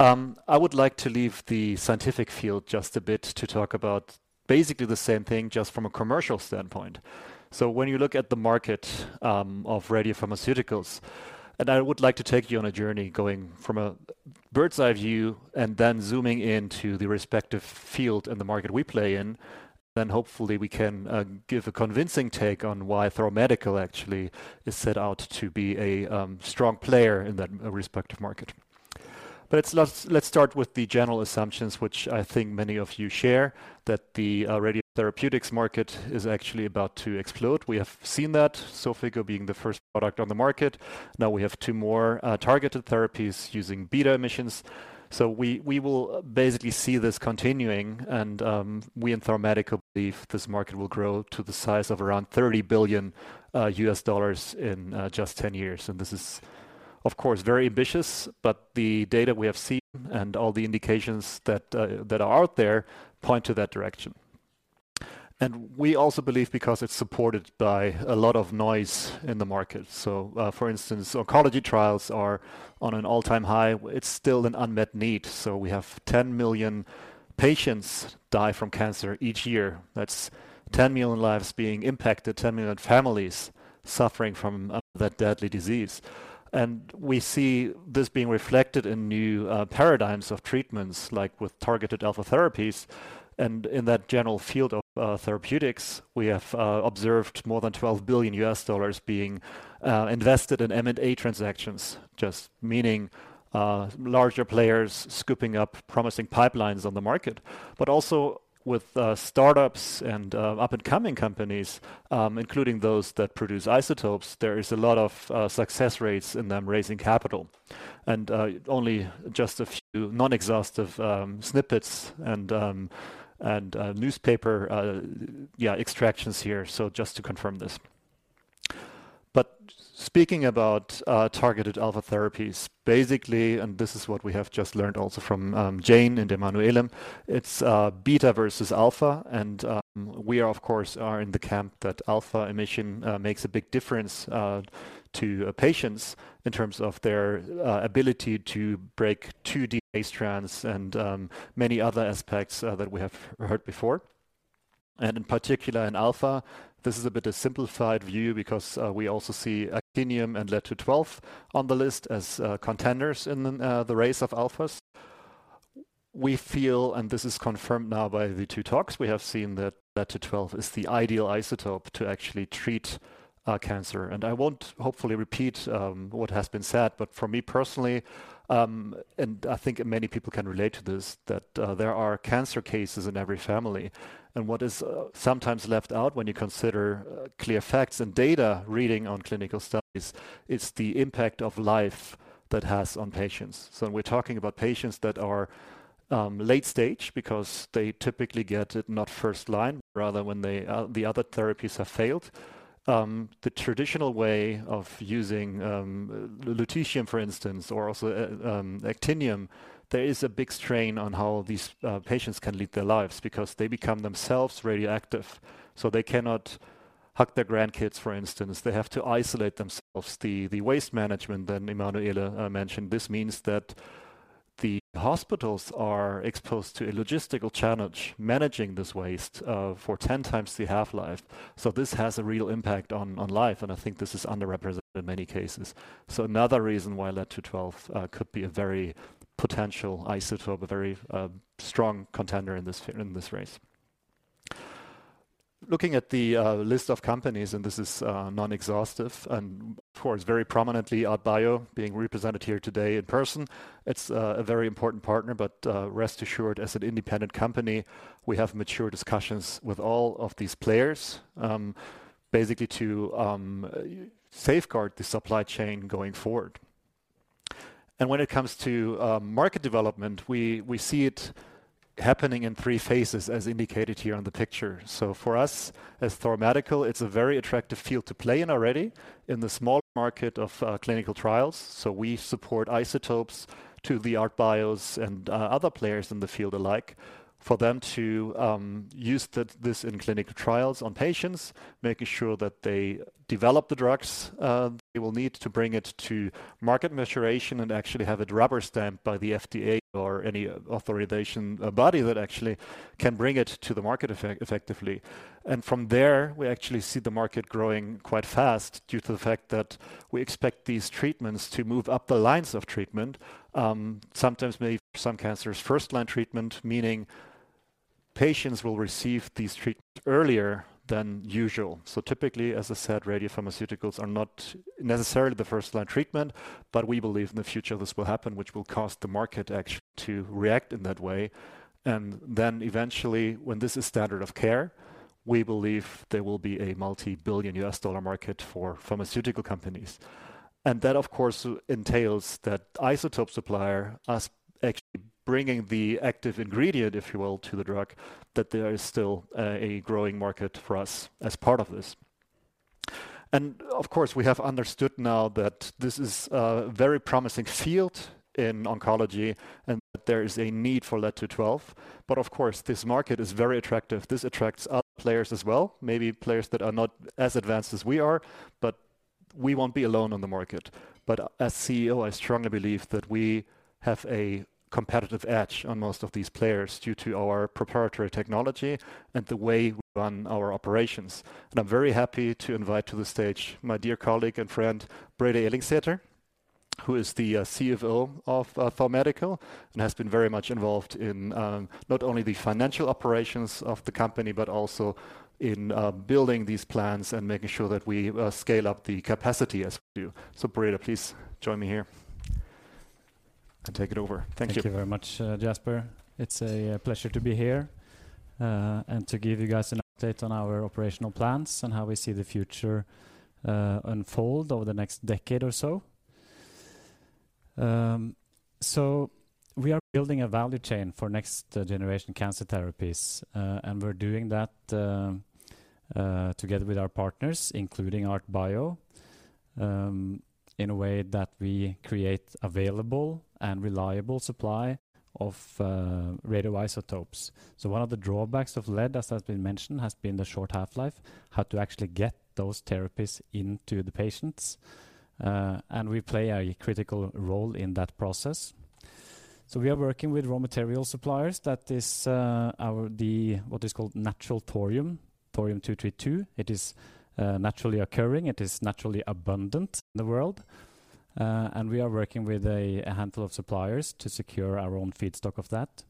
I would like to leave the scientific field just a bit to talk about basically the same thing just from a commercial standpoint. So when you look at the market of radiopharmaceuticals, and I would like to take you on a journey going from a bird's-eye view and then zooming into the respective field and the market we play in, then hopefully we can give a convincing take on why Thor Medical actually is set out to be a strong player in that respective market. But let's start with the general assumptions, which I think many of you share, that the radiotherapeutics market is actually about to explode. We have seen that, Xofigo being the first product on the market. Now we have two more targeted therapies using beta emissions. So we will basically see this continuing. We in Thor Medical believe this market will grow to the size of around $30 billion in just 10 years. This is, of course, very ambitious, but the data we have seen and all the indications that are out there point to that direction. We also believe because it's supported by a lot of noise in the market. For instance, oncology trials are on an all-time high. It's still an unmet need. We have 10 million patients die from cancer each year. That's 10 million lives being impacted, 10 million families suffering from that deadly disease. We see this being reflected in new paradigms of treatments, like with targeted alpha therapies. In that general field of therapeutics, we have observed more than $12 billion being invested in M&A transactions, just meaning larger players scooping up promising pipelines on the market. But also with startups and up-and-coming companies, including those that produce isotopes, there is a lot of success rates in them raising capital. Only just a few non-exhaustive snippets and newspaper extractions here, so just to confirm this. Speaking about targeted alpha therapies, basically, and this is what we have just learned also from Jane and Emanuele, it's beta versus alpha. We are, of course, in the camp that alpha emission makes a big difference to patients in terms of their ability to break 2D base strands and many other aspects that we have heard before. In particular, in alpha, this is a bit of a simplified view because we also see actinium and lead-212 on the list as contenders in the race of alphas. We feel, and this is confirmed now by the two talks, we have seen that lead-212 is the ideal isotope to actually treat cancer. I won't hopefully repeat what has been said, but for me personally, and I think many people can relate to this, that there are cancer cases in every family. What is sometimes left out when you consider clear facts and data reading on clinical studies is the impact of life that has on patients. We're talking about patients that are late stage because they typically get it not first line, but rather when the other therapies have failed. The traditional way of using lutetium, for instance, or also actinium. There is a big strain on how these patients can lead their lives because they become themselves radioactive. So they cannot hug their grandkids, for instance. They have to isolate themselves. The waste management that Emanuele mentioned, this means that the hospitals are exposed to a logistical challenge managing this waste for 10x the half-life. So this has a real impact on life. And I think this is underrepresented in many cases. So another reason why lead-212 could be a very potential isotope, a very strong contender in this race. Looking at the list of companies, and this is non-exhaustive, and of course, very prominently ArtBio being represented here today in person, it's a very important partner, but rest assured, as an independent company, we have mature discussions with all of these players basically to safeguard the supply chain going forward. When it comes to market development, we see it happening in three phases, as indicated here on the picture. For us as Thor Medical, it's a very attractive field to play in already in the small market of clinical trials. So, we support isotopes to ArtBio's and other players in the field alike for them to use this in clinical trials on patients, making sure that they develop the drugs they will need to bring it to market maturation and actually have it rubber-stamped by the FDA or any authorization body that actually can bring it to the market effectively. And from there, we actually see the market growing quite fast due to the fact that we expect these treatments to move up the lines of treatment, sometimes maybe for some cancers, first-line treatment, meaning patients will receive these treatments earlier than usual. So typically, as I said, radiopharmaceuticals are not necessarily the first-line treatment, but we believe in the future this will happen, which will cause the market actually to react in that way. And then eventually, when this is standard of care, we believe there will be a multi-billion-dollar U.S. dollar market for pharmaceutical companies. And that, of course, entails that isotope supplier us actually bringing the active ingredient, if you will, to the drug, that there is still a growing market for us as part of this. And of course, we have understood now that this is a very promising field in oncology and that there is a need for lead-212. But of course, this market is very attractive. This attracts other players as well, maybe players that are not as advanced as we are, but we won't be alone on the market. But as CEO, I strongly believe that we have a competitive edge on most of these players due to our proprietary technology and the way we run our operations. I'm very happy to invite to the stage my dear colleague and friend, Brede Ellingsæter, who is the CFO of Thor Medical and has been very much involved in not only the financial operations of the company, but also in building these plans and making sure that we scale up the capacity as we do. Brede, please join me here and take it over. Thank you. Thank you very much, Jasper. It's a pleasure to be here and to give you guys an update on our operational plans and how we see the future unfold over the next decade or so. We are building a value chain for next-generation cancer therapies, and we're doing that together with our partners, including ArtBio, in a way that we create available and reliable supply of radioisotopes. One of the drawbacks of lead, as has been mentioned, has been the short half-life, how to actually get those therapies into the patients. We play a critical role in that process. We are working with raw material suppliers. That is what is called natural thorium, thorium-232. It is naturally occurring. It is naturally abundant in the world. We are working with a handful of suppliers to secure our own feedstock of that.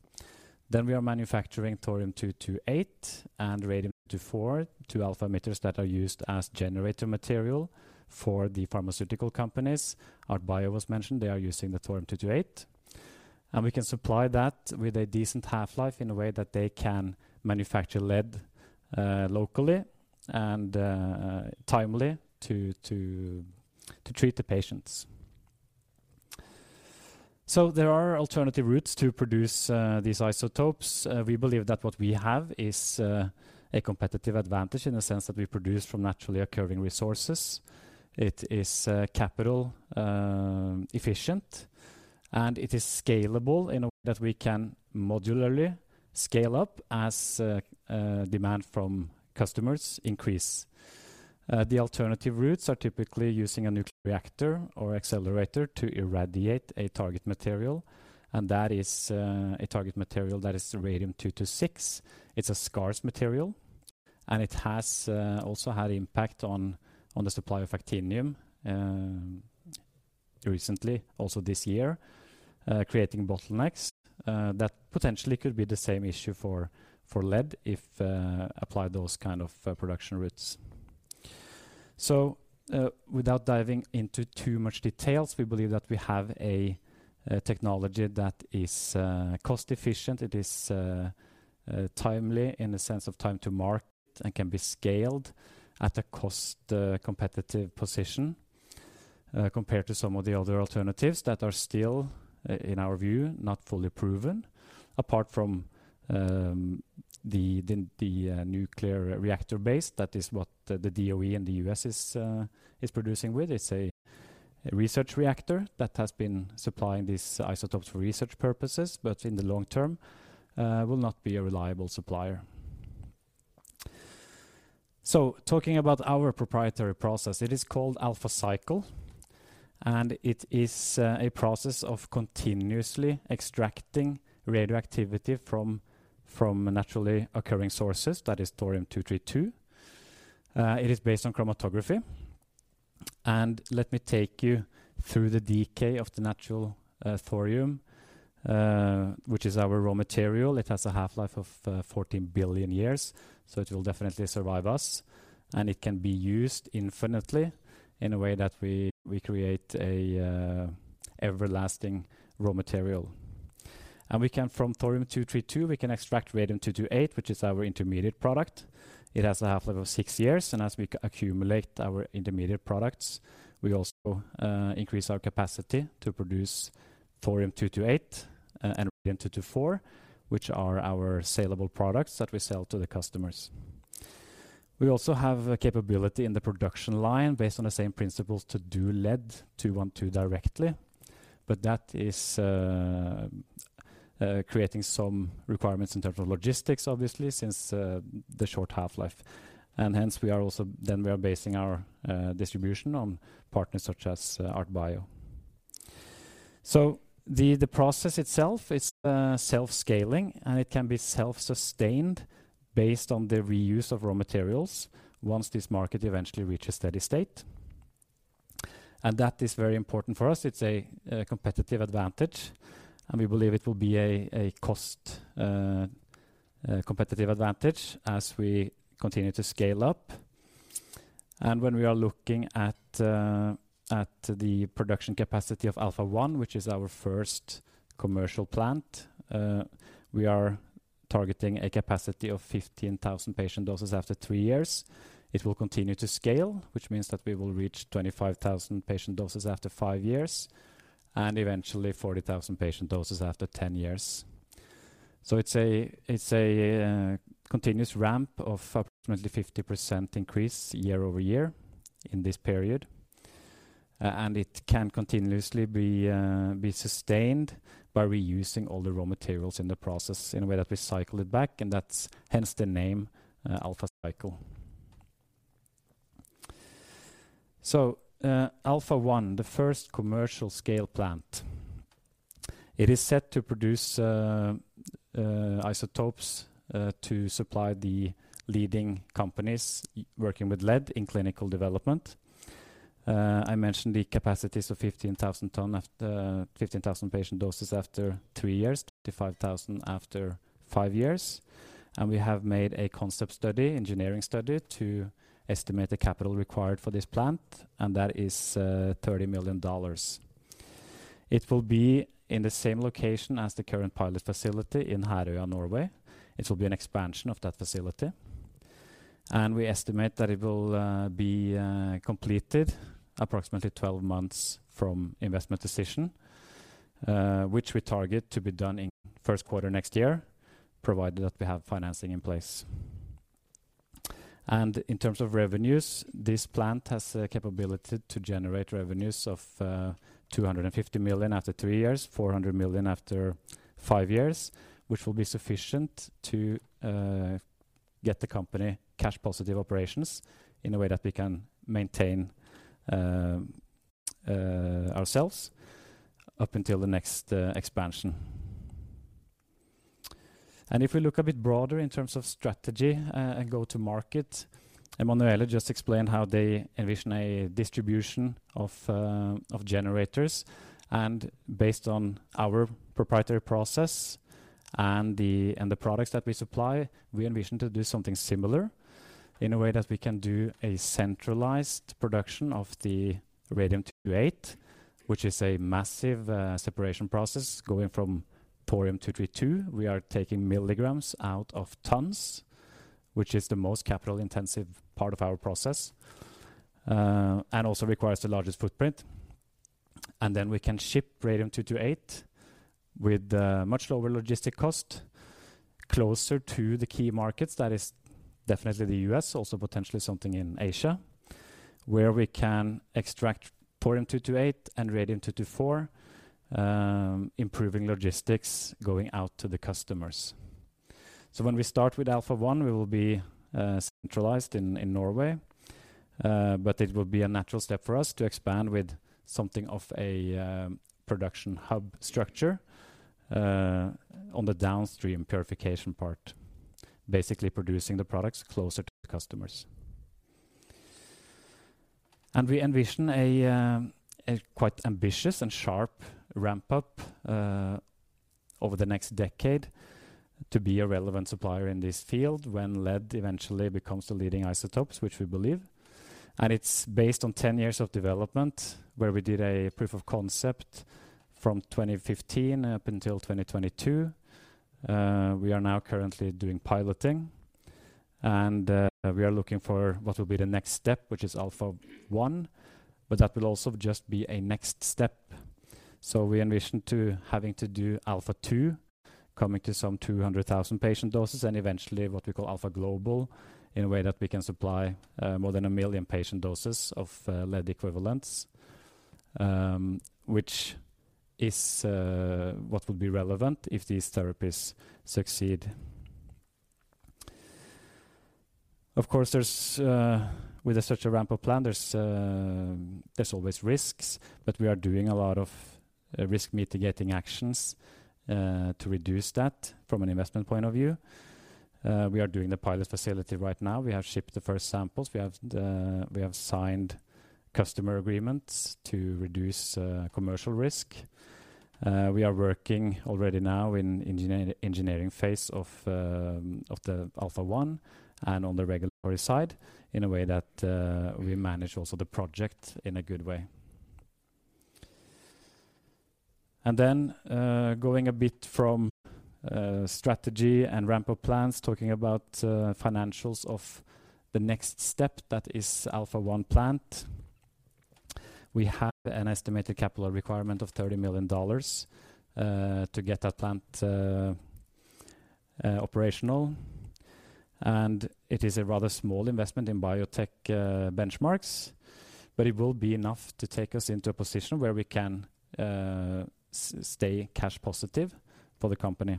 Then we are manufacturing thorium-228 and radium-224 to alpha emitters that are used as generator material for the pharmaceutical companies. ArtBio was mentioned. They are using the thorium-228. We can supply that with a decent half-life in a way that they can manufacture lead locally and timely to treat the patients. There are alternative routes to produce these isotopes. We believe that what we have is a competitive advantage in the sense that we produce from naturally occurring resources. It is capital-efficient, and it is scalable in a way that we can modularly scale up as demand from customers increases. The alternative routes are typically using a nuclear reactor or accelerator to irradiate a target material, and that is a target material that is radium-226. It's a scarce material, and it has also had impact on the supply of actinium recently, also this year, creating bottlenecks that potentially could be the same issue for lead if applied those kinds of production routes, so without diving into too much details, we believe that we have a technology that is cost-efficient. It is timely in the sense of time to market and can be scaled at a cost-competitive position compared to some of the other alternatives that are still, in our view, not fully proven, apart from the nuclear reactor base. That is what the DOE in the U.S. is producing with. It's a research reactor that has been supplying these isotopes for research purposes, but in the long term, will not be a reliable supplier. So talking about our proprietary process, it is called Alpha Cycle. And it is a process of continuously extracting radioactivity from naturally occurring sources. That is Thorium-232. It is based on chromatography. And let me take you through the decay of the natural thorium, which is our raw material. It has a half-life of 14 billion years, so it will definitely survive us. It can be used infinitely in a way that we create an everlasting raw material. From thorium-232, we can extract radium-228, which is our intermediate product. It has a half-life of six years. As we accumulate our intermediate products, we also increase our capacity to produce thorium-228 and radium-224, which are our saleable products that we sell to the customers. We also have a capability in the production line based on the same principles to do lead-212 directly. That creates some requirements in terms of logistics, obviously, since the short half-life. Hence, we base our distribution on partners such as ArtBio. The process itself is self-scaling, and it can be self-sustained based on the reuse of raw materials once this market eventually reaches steady state. That is very important for us. It is a competitive advantage. And we believe it will be a cost-competitive advantage as we continue to scale up. And when we are looking at the production capacity of Alpha-1, which is our first commercial plant, we are targeting a capacity of 15,000 patient doses after three years. It will continue to scale, which means that we will reach 25,000 patient doses after five years and eventually 40,000 patient doses after 10 years. So it's a continuous ramp of approximately 50% increase year-over-year in this period. And it can continuously be sustained by reusing all the raw materials in the process in a way that we cycle it back. And that's hence the name Alpha Cycle. So Alpha-1, the first commercial scale plant, it is set to produce isotopes to supply the leading companies working with lead in clinical development. I mentioned the capacities of 15,000 patient doses after three years, 25,000 after five years. We have made a concept study, engineering study to estimate the capital required for this plant. That is $30 million. It will be in the same location as the current pilot facility in Herøya, Norway. It will be an expansion of that facility. We estimate that it will be completed approximately 12 months from investment decision, which we target to be done in first quarter next year, provided that we have financing in place. In terms of revenues, this plant has a capability to generate revenues of 250 million after three years, 400 million after five years, which will be sufficient to get the company cash-positive operations in a way that we can maintain ourselves up until the next expansion. If we look a bit broader in terms of strategy and go-to-market, Emanuele just explained how they envision a distribution of generators. Based on our proprietary process and the products that we supply, we envision to do something similar in a way that we can do a centralized production of the radium-228, which is a massive separation process going from thorium-232. We are taking milligrams out of tons, which is the most capital-intensive part of our process and also requires the largest footprint. Then we can ship radium-228 with much lower logistic cost closer to the key markets. That is definitely the U.S., also potentially something in Asia, where we can extract thorium-228 and radium-224, improving logistics going out to the customers. When we start with Alpha-1, we will be centralized in Norway. But it will be a natural step for us to expand with something of a production hub structure on the downstream purification part, basically producing the products closer to customers. And we envision a quite ambitious and sharp ramp-up over the next decade to be a relevant supplier in this field when lead eventually becomes the leading isotopes, which we believe. And it's based on 10 years of development where we did a proof of concept from 2015 up until 2022. We are now currently doing piloting. And we are looking for what will be the next step, which is Alpha-1, but that will also just be a next step. So we envision having to do Alpha-2, coming to some 200,000 patient doses, and eventually what we call Alpha Global in a way that we can supply more than a million patient doses of lead equivalents, which is what will be relevant if these therapies succeed. Of course, with such a ramp-up plan, there's always risks, but we are doing a lot of risk-mitigating actions to reduce that from an investment point of view. We are doing the pilot facility right now. We have shipped the first samples. We have signed customer agreements to reduce commercial risk. We are working already now in the engineering phase of the Alpha-1 and on the regulatory side in a way that we manage also the project in a good way. And then, going a bit from strategy and ramp-up plans, talking about financials of the next step that is Alpha-1 plant, we have an estimated capital requirement of $30 million to get that plant operational. And it is a rather small investment in biotech benchmarks, but it will be enough to take us into a position where we can stay cash-positive for the company.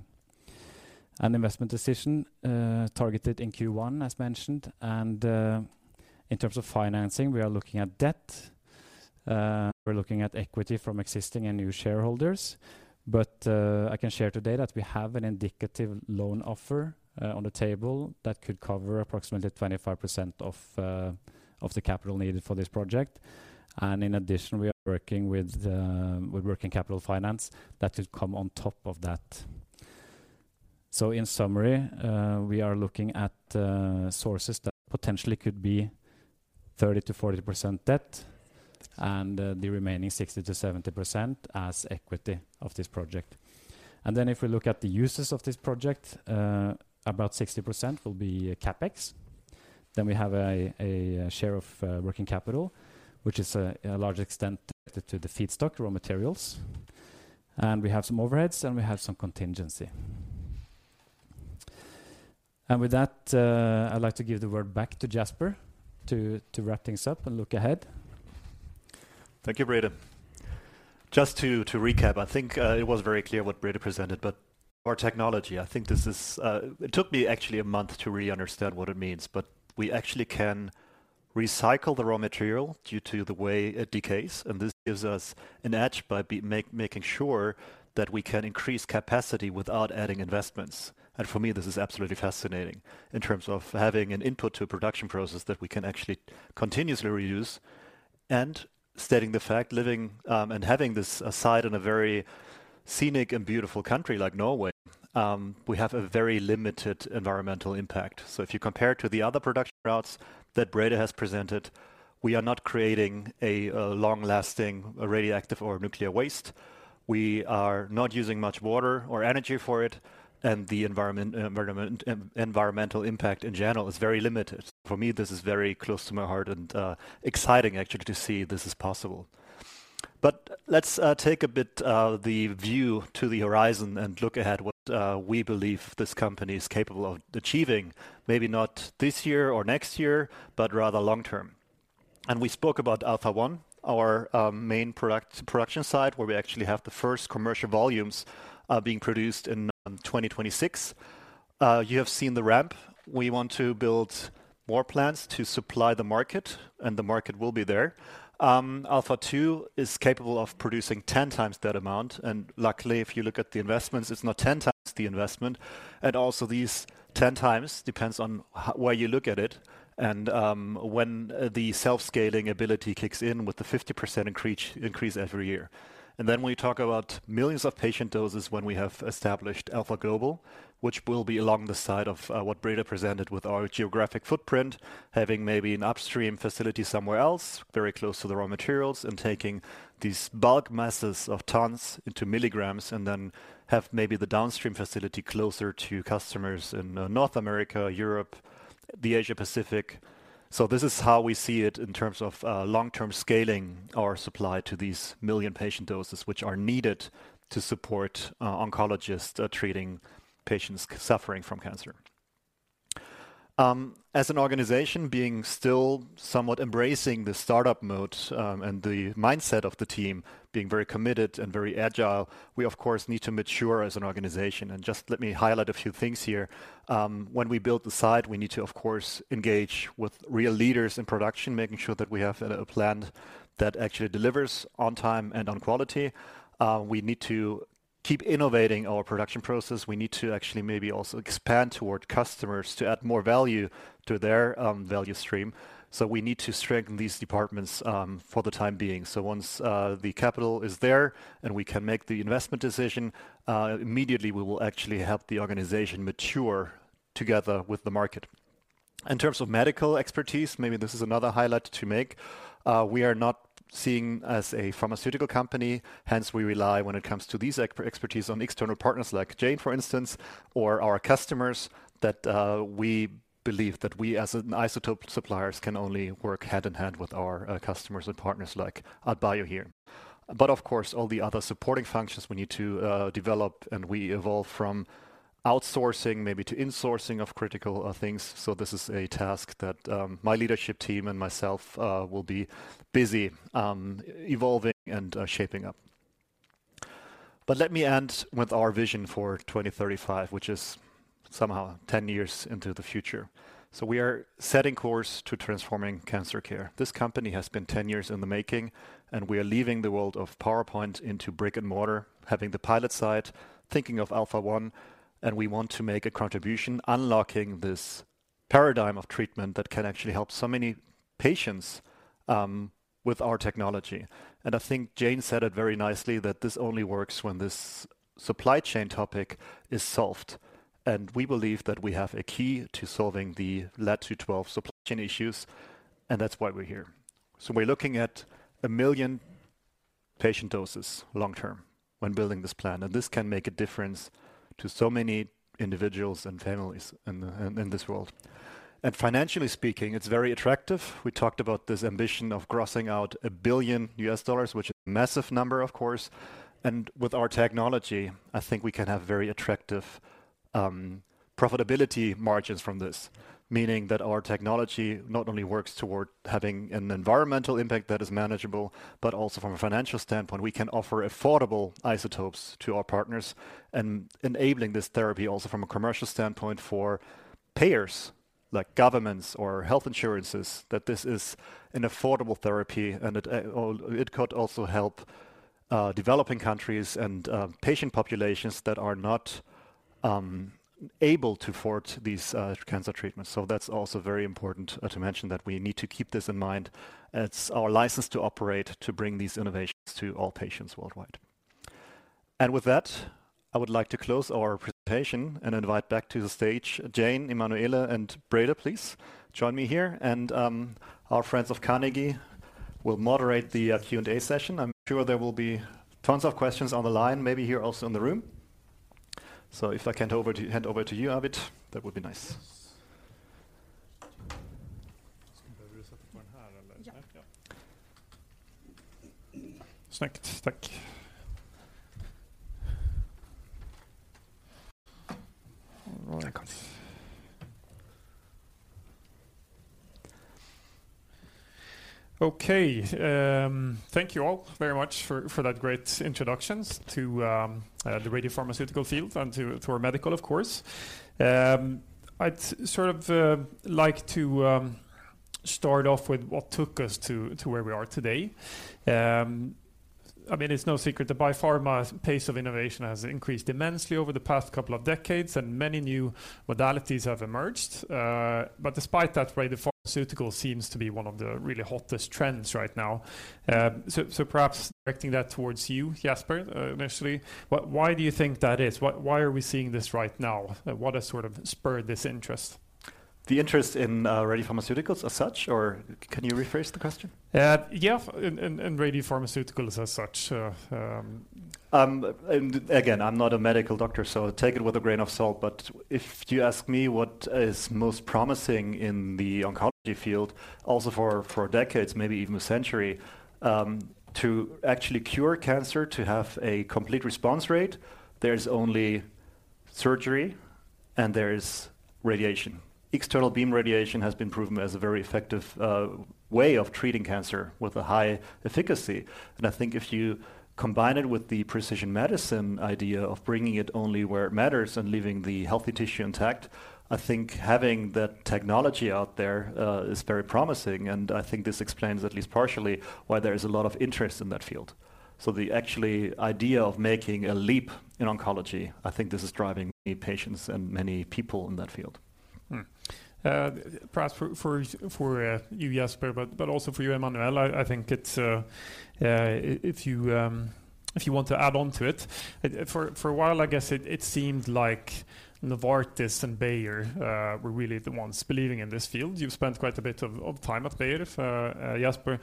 And investment decision targeted in Q1, as mentioned. And in terms of financing, we are looking at debt. We're looking at equity from existing and new shareholders. But I can share today that we have an indicative loan offer on the table that could cover approximately 25% of the capital needed for this project. And in addition, we are working with working capital finance that could come on top of that. So in summary, we are looking at sources that potentially could be 30%-40% debt and the remaining 60%-70% as equity of this project. And then if we look at the uses of this project, about 60% will be CapEx. Then we have a share of working capital, which is to a large extent connected to the feedstock raw materials. And we have some overheads, and we have some contingency. And with that, I'd like to give the word back to Jasper to wrap things up and look ahead. Thank you, Brede. Just to recap, I think it was very clear what Brede presented, but our technology, I think this is, it took me actually a month to really understand what it means, but we actually can recycle the raw material due to the way it decays. This gives us an edge by making sure that we can increase capacity without adding investments. For me, this is absolutely fascinating in terms of having an input to a production process that we can actually continuously reuse. Stating the fact, living and having this aside in a very scenic and beautiful country like Norway, we have a very limited environmental impact. If you compare to the other production routes that Brede has presented, we are not creating a long-lasting radioactive or nuclear waste. We are not using much water or energy for it. The environmental impact in general is very limited. For me, this is very close to my heart and exciting, actually, to see this is possible. Let's take a bit the view to the horizon and look ahead what we believe this company is capable of achieving, maybe not this year or next year, but rather long term. We spoke about Alpha-1, our main production site where we actually have the first commercial volumes being produced in 2026. You have seen the ramp. We want to build more plants to supply the market, and the market will be there. Alpha Two is capable of producing 10x that amount. Luckily, if you look at the investments, it's not 10 times the investment. Also, these 10x depends on where you look at it and when the self-scaling ability kicks in with the 50% increase every year. Then, when you talk about millions of patient doses when we have established Alpha Global, which will be alongside what Brede presented with our geographic footprint, having maybe an upstream facility somewhere else very close to the raw materials and taking these bulk masses of tons into milligrams and then have maybe the downstream facility closer to customers in North America, Europe, the Asia-Pacific. This is how we see it in terms of long-term scaling our supply to these million patient doses, which are needed to support oncologists treating patients suffering from cancer. As an organization, being still somewhat embracing the startup mode and the mindset of the team being very committed and very agile, we, of course, need to mature as an organization. And just let me highlight a few things here. When we build the site, we need to, of course, engage with real leaders in production, making sure that we have a plan that actually delivers on time and on quality. We need to keep innovating our production process. We need to actually maybe also expand toward customers to add more value to their value stream. So we need to strengthen these departments for the time being. So once the capital is there and we can make the investment decision, immediately we will actually help the organization mature together with the market. In terms of medical expertise, maybe this is another highlight to make. We are not a pharmaceutical company. Hence, we rely when it comes to these expertise on external partners like Jane, for instance, or our customers that we believe that we as isotope suppliers can only work hand in hand with our customers and partners like ArtBio here. But of course, all the other supporting functions we need to develop and we evolve from outsourcing maybe to insourcing of critical things. So this is a task that my leadership team and myself will be busy evolving and shaping up. But let me end with our vision for 2035, which is somehow 10 years into the future. So we are setting course to transforming cancer care. This company has been 10 years in the making, and we are leaving the world of PowerPoint into brick and mortar, having the pilot site, thinking of Alpha-1, and we want to make a contribution unlocking this paradigm of treatment that can actually help so many patients with our technology. And I think Jane said it very nicely that this only works when this supply chain topic is solved. And we believe that we have a key to solving the lead-212 supply chain issues, and that's why we're here. So we're looking at 1 million patient doses long term when building this plan. And this can make a difference to so many individuals and families in this world. And financially speaking, it's very attractive. We talked about this ambition of crossing out $1 billion, which is a massive number, of course. And with our technology, I think we can have very attractive profitability margins from this, meaning that our technology not only works toward having an environmental impact that is manageable, but also from a financial standpoint, we can offer affordable isotopes to our partners and enabling this therapy also from a commercial standpoint for payers like governments or health insurances that this is an affordable therapy. And it could also help developing countries and patient populations that are not able to afford these cancer treatments. So that's also very important to mention that we need to keep this in mind. It's our license to operate to bring these innovations to all patients worldwide. And with that, I would like to close our presentation and invite back to the stage Jane, Emanuele, and Brede, please join me here. And our friends of Carnegie will moderate the Q&A session. I'm sure there will be tons of questions on the line, maybe here also in the room. So if I can hand over to you, Arvid, that would be nice. Okay, thank you all very much for that great introduction to the radiopharmaceutical field and to Thor Medical, of course. I'd sort of like to start off with what took us to where we are today. I mean, it's no secret that biopharma's pace of innovation has increased immensely over the past couple of decades, and many new modalities have emerged. But despite that, radiopharmaceutical seems to be one of the really hottest trends right now. So perhaps directing that towards you, Jasper, initially, why do you think that is? Why are we seeing this right now? What has sort of spurred this interest? The interest in radiopharmaceuticals as such, or can you rephrase the question? Yeah, in radiopharmaceuticals as such. Again, I'm not a medical doctor, so take it with a grain of salt. But if you ask me what is most promising in the oncology field, also for decades, maybe even a century, to actually cure cancer, to have a complete response rate, there's only surgery and there's radiation. External beam radiation has been proven as a very effective way of treating cancer with a high efficacy. And I think if you combine it with the precision medicine idea of bringing it only where it matters and leaving the healthy tissue intact, I think having that technology out there is very promising. And I think this explains at least partially why there is a lot of interest in that field. So the actual idea of making a leap in oncology, I think this is driving many patients and many people in that field. Perhaps for you, Jasper, but also for you, Emanuele, I think if you want to add on to it, for a while, I guess it seemed like Novartis and Bayer were really the ones believing in this field. You've spent quite a bit of time at Bayer, Jasper,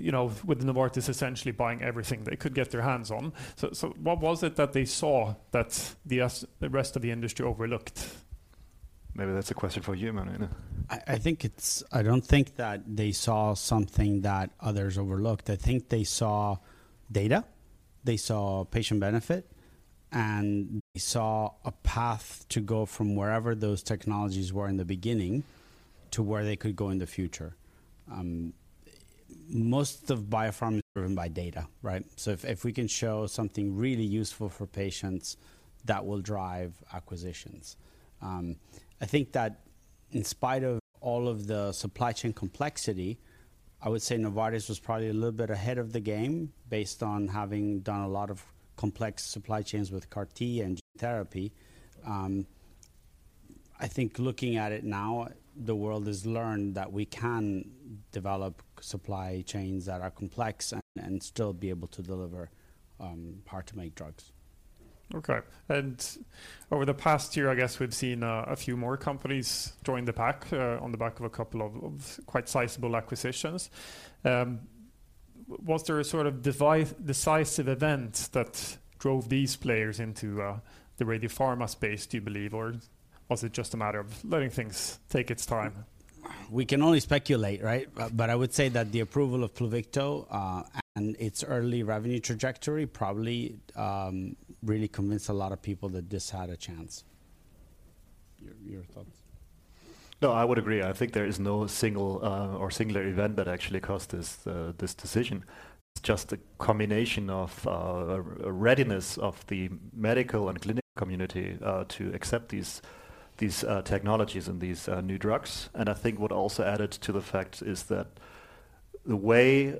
with Novartis essentially buying everything they could get their hands on. So what was it that they saw that the rest of the industry overlooked? Maybe that's a question for you, Emanuele. I don't think that they saw something that others overlooked. I think they saw data, they saw patient benefit, and they saw a path to go from wherever those technologies were in the beginning to where they could go in the future. Most of bio pharma is driven by data, right? So if we can show something really useful for patients, that will drive acquisitions. I think that in spite of all of the supply chain complexity, I would say Novartis was probably a little bit ahead of the game based on having done a lot of complex supply chains with CAR-T and therapy. I think looking at it now, the world has learned that we can develop supply chains that are complex and still be able to deliver hard-to-make drugs. Okay. And over the past year, I guess we've seen a few more companies join the pack on the back of a couple of quite sizable acquisitions. Was there a sort of decisive event that drove these players into the radio pharma space, do you believe, or was it just a matter of letting things take its time? We can only speculate, right? But I would say that the approval of Pluvicto and its early revenue trajectory probably really convinced a lot of people that this had a chance. Your thoughts? No, I would agree. I think there is no single or singular event that actually caused this decision. It's just a combination of readiness of the medical and clinical community to accept these technologies and these new drugs. And I think what also added to the fact is that the way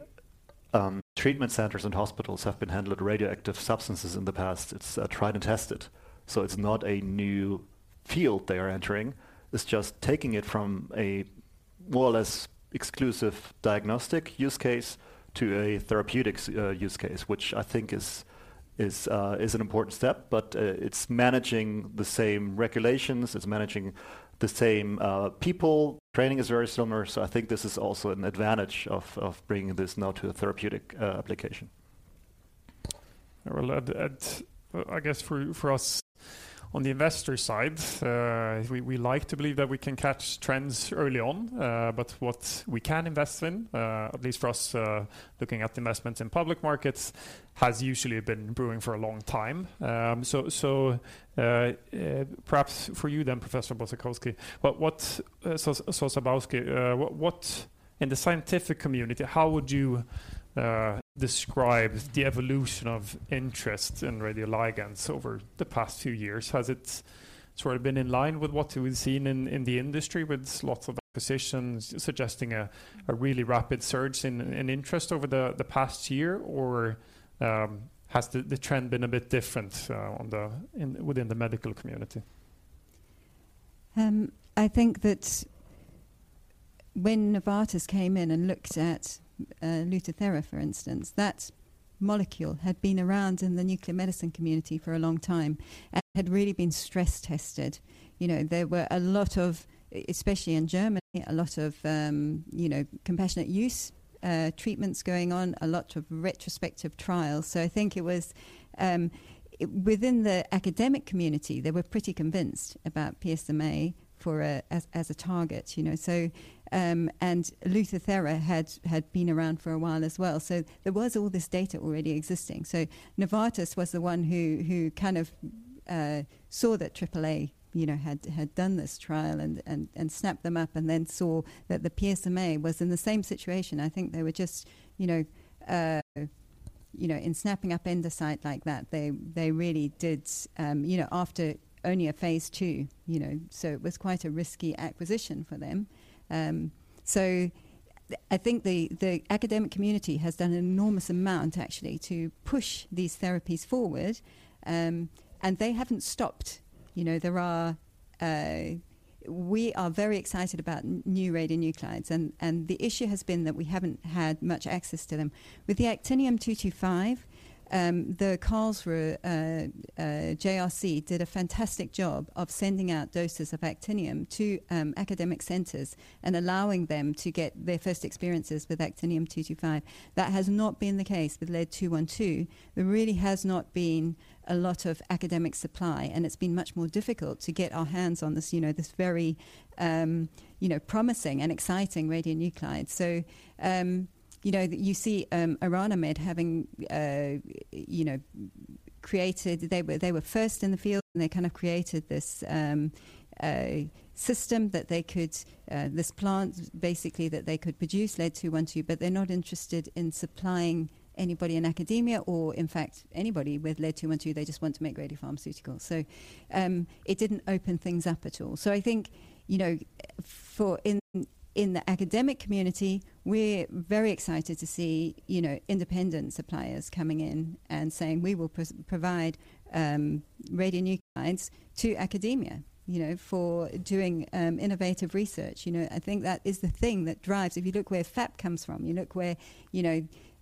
treatment centers and hospitals have been handling radioactive substances in the past, it's tried and tested. So it's not a new field they are entering. It's just taking it from a more or less exclusive diagnostic use case to a therapeutic use case, which I think is an important step. But it's managing the same regulations, it's managing the same people. Training is very similar. So I think this is also an advantage of bringing this now to a therapeutic application. I guess for us on the investor side, we like to believe that we can catch trends early on. But what we can invest in, at least for us looking at investments in public markets, has usually been brewing for a long time. So perhaps for you then, Professor Sosabowski, what in the scientific community, how would you describe the evolution of interest in radioligands over the past few years? Has it sort of been in line with what we've seen in the industry with lots of acquisitions suggesting a really rapid surge in interest over the past year, or has the trend been a bit different within the medical community? I think that when Novartis came in and looked at Lutathera, for instance, that molecule had been around in the nuclear medicine community for a long time and had really been stress tested. There were a lot of, especially in Germany, a lot of compassionate use treatments going on, a lot of retrospective trials. So I think it was within the academic community, they were pretty convinced about PSMA as a target. And Lutathera had been around for a while as well. So there was all this data already existing. So Novartis was the one who kind of saw that AAA had done this trial and snapped them up and then saw that the PSMA was in the same situation. I think they were just in snapping up Endocyte like that, they really did after only a Phase II. So it was quite a risky acquisition for them. I think the academic community has done an enormous amount actually to push these therapies forward. And they haven't stopped. We are very excited about new radionuclides. And the issue has been that we haven't had much access to them. With the actinium-225, the Karlsruhe JRC did a fantastic job of sending out doses of actinium to academic centers and allowing them to get their first experiences with actinium-225. That has not been the case with lead-212. There really has not been a lot of academic supply. And it's been much more difficult to get our hands on this very promising and exciting radionuclide. So you see Orano Med having created, they were first in the field and they kind of created this system that they could, this plant basically that they could produce lead-212, but they're not interested in supplying anybody in academia or in fact anybody with lead-212. They just want to make radiopharmaceuticals. So it didn't open things up at all. So I think in the academic community, we're very excited to see independent suppliers coming in and saying, "We will provide radionuclides to academia for doing innovative research." I think that is the thing that drives. If you look where FAP comes from, you look where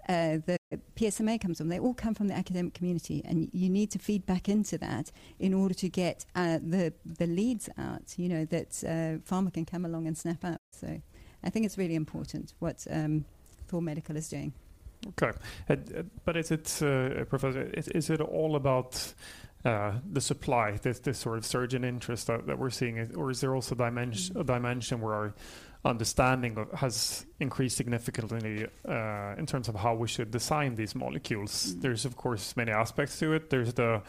the PSMA comes from, they all come from the academic community. And you need to feed back into that in order to get the leads out that pharma can come along and snap out. So I think it's really important what Thor Medical is doing. Okay. But is it, Professor, is it all about the supply, this sort of surge in interest that we're seeing, or is there also a dimension where our understanding has increased significantly in terms of how we should design these molecules? There's, of course, many aspects to it. There's the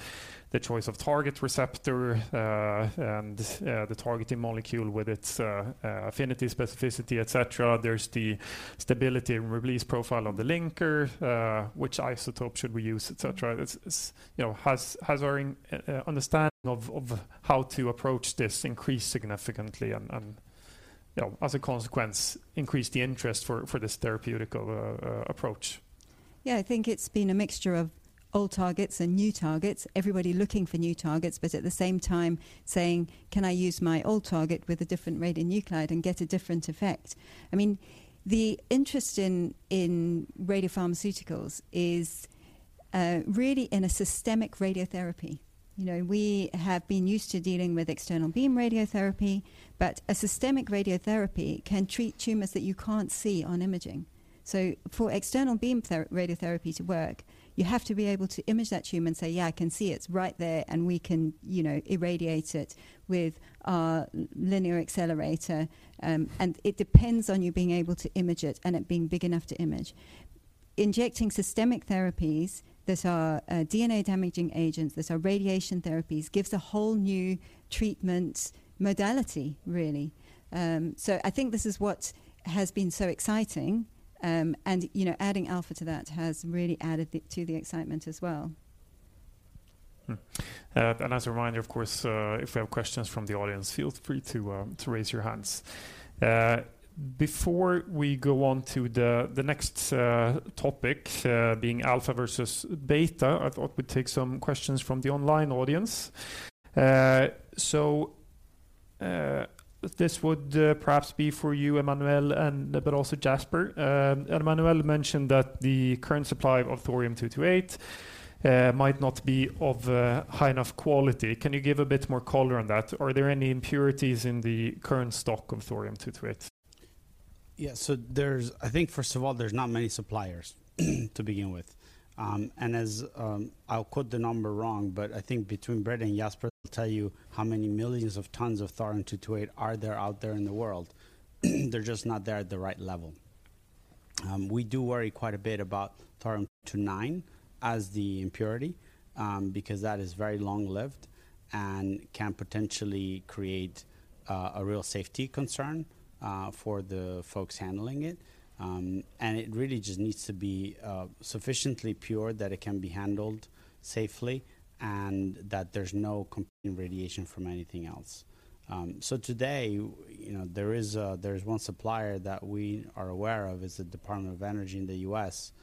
choice of target receptor and the targeting molecule with its affinity, specificity, et cetera. There's the stability and release profile of the linker, which isotope should we use, et cetera. Has our understanding of how to approach this increased significantly and as a consequence, increased the interest for this therapeutic approach? Yeah, I think it's been a mixture of old targets and new targets, everybody looking for new targets, but at the same time saying, "Can I use my old target with a different radionuclide and get a different effect?" I mean, the interest in radiopharmaceuticals is really in a systemic radiotherapy. We have been used to dealing with external beam radiotherapy, but a systemic radiotherapy can treat tumors that you can't see on imaging. So for external beam radiotherapy to work, you have to be able to image that tumor and say, "Yeah, I can see it's right there and we can irradiate it with our linear accelerator." And it depends on you being able to image it and it being big enough to image. Injecting systemic therapies that are DNA-damaging agents, that are radiation therapies, gives a whole new treatment modality, really. So I think this is what has been so exciting. And adding alpha to that has really added to the excitement as well. As a reminder, of course, if we have questions from the audience, feel free to raise your hands. Before we go on to the next topic, being alpha versus beta, I thought we'd take some questions from the online audience. So this would perhaps be for you, Emanuele, but also Jasper. Emanuele mentioned that the current supply of thorium-228 might not be of high enough quality. Can you give a bit more color on that? Are there any impurities in the current stock of thorium-228? Yeah, so I think first of all, there's not many suppliers to begin with. And I'll quote the number wrong, but I think between Brede and Jasper, I'll tell you how many millions of tons of thorium-228 are there out there in the world. They're just not there at the right level. We do worry quite a bit about thorium-229 as the impurity because that is very long-lived and can potentially create a real safety concern for the folks handling it. And it really just needs to be sufficiently pure that it can be handled safely and that there's no combination radiation from anything else. So today, there is one supplier that we are aware of. It's the Department of Energy in the U.S.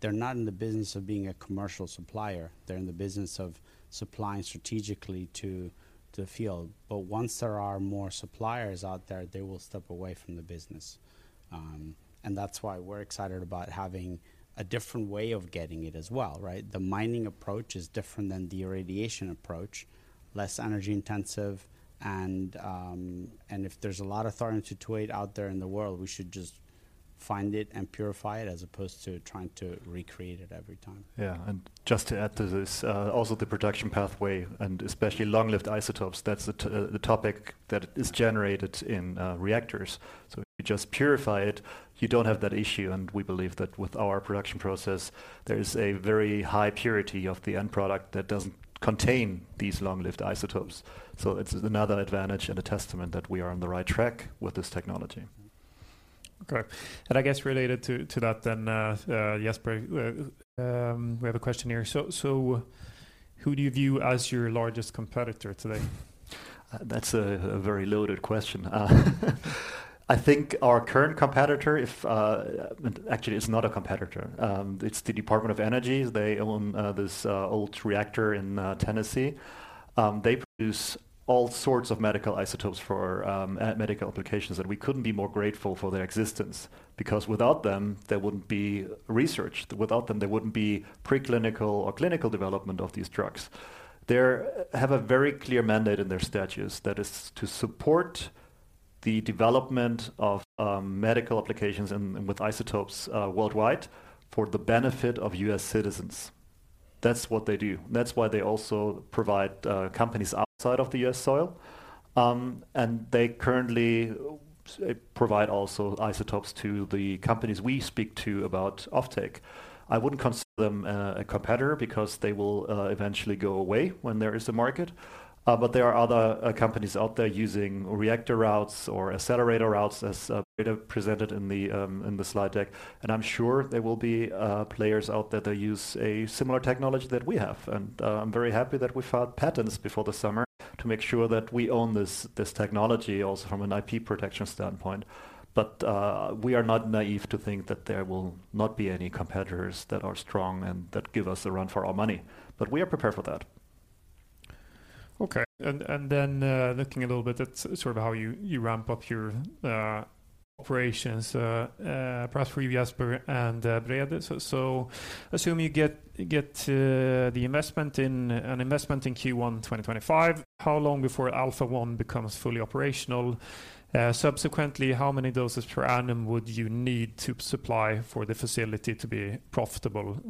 They're not in the business of being a commercial supplier. They're in the business of supplying strategically to the field. But once there are more suppliers out there, they will step away from the business. And that's why we're excited about having a different way of getting it as well, right? The mining approach is different than the irradiation approach, less energy intensive. And if there's a lot of thorium-228 out there in the world, we should just find it and purify it as opposed to trying to recreate it every time. Yeah. And just to add to this, also the production pathway and especially long-lived isotopes, that's the topic that is generated in reactors. So if you just purify it, you don't have that issue. And we believe that with our production process, there is a very high purity of the end product that doesn't contain these long-lived isotopes. So it's another advantage and a testament that we are on the right track with this technology. Okay. And I guess related to that then, Jasper, we have a question here. So who do you view as your largest competitor today? That's a very loaded question. I think our current competitor, actually it's not a competitor. It's the Department of Energy. They own this old reactor in Tennessee. They produce all sorts of medical isotopes for medical applications. And we couldn't be more grateful for their existence because without them, there wouldn't be research. Without them, there wouldn't be preclinical or clinical development of these drugs. They have a very clear mandate in their statutes that is to support the development of medical applications and with isotopes worldwide for the benefit of U.S. citizens. That's what they do. That's why they also provide companies outside of the U.S. soil. And they currently provide also isotopes to the companies we speak to about offtake. I wouldn't consider them a competitor because they will eventually go away when there is a market. But there are other companies out there using reactor routes or accelerator routes as presented in the slide deck. And I'm sure there will be players out there that use a similar technology that we have. And I'm very happy that we found patents before the summer to make sure that we own this technology also from an IP protection standpoint. But we are not naive to think that there will not be any competitors that are strong and that give us a run for our money. But we are prepared for that. Okay, and then looking a little bit at sort of how you ramp up your operations, perhaps for you, Jasper and Brede. So assume you get the investment in Q1 2025. How long before Alpha-1 becomes fully operational? Subsequently, how many doses per annum would you need to supply for the facility to be profitable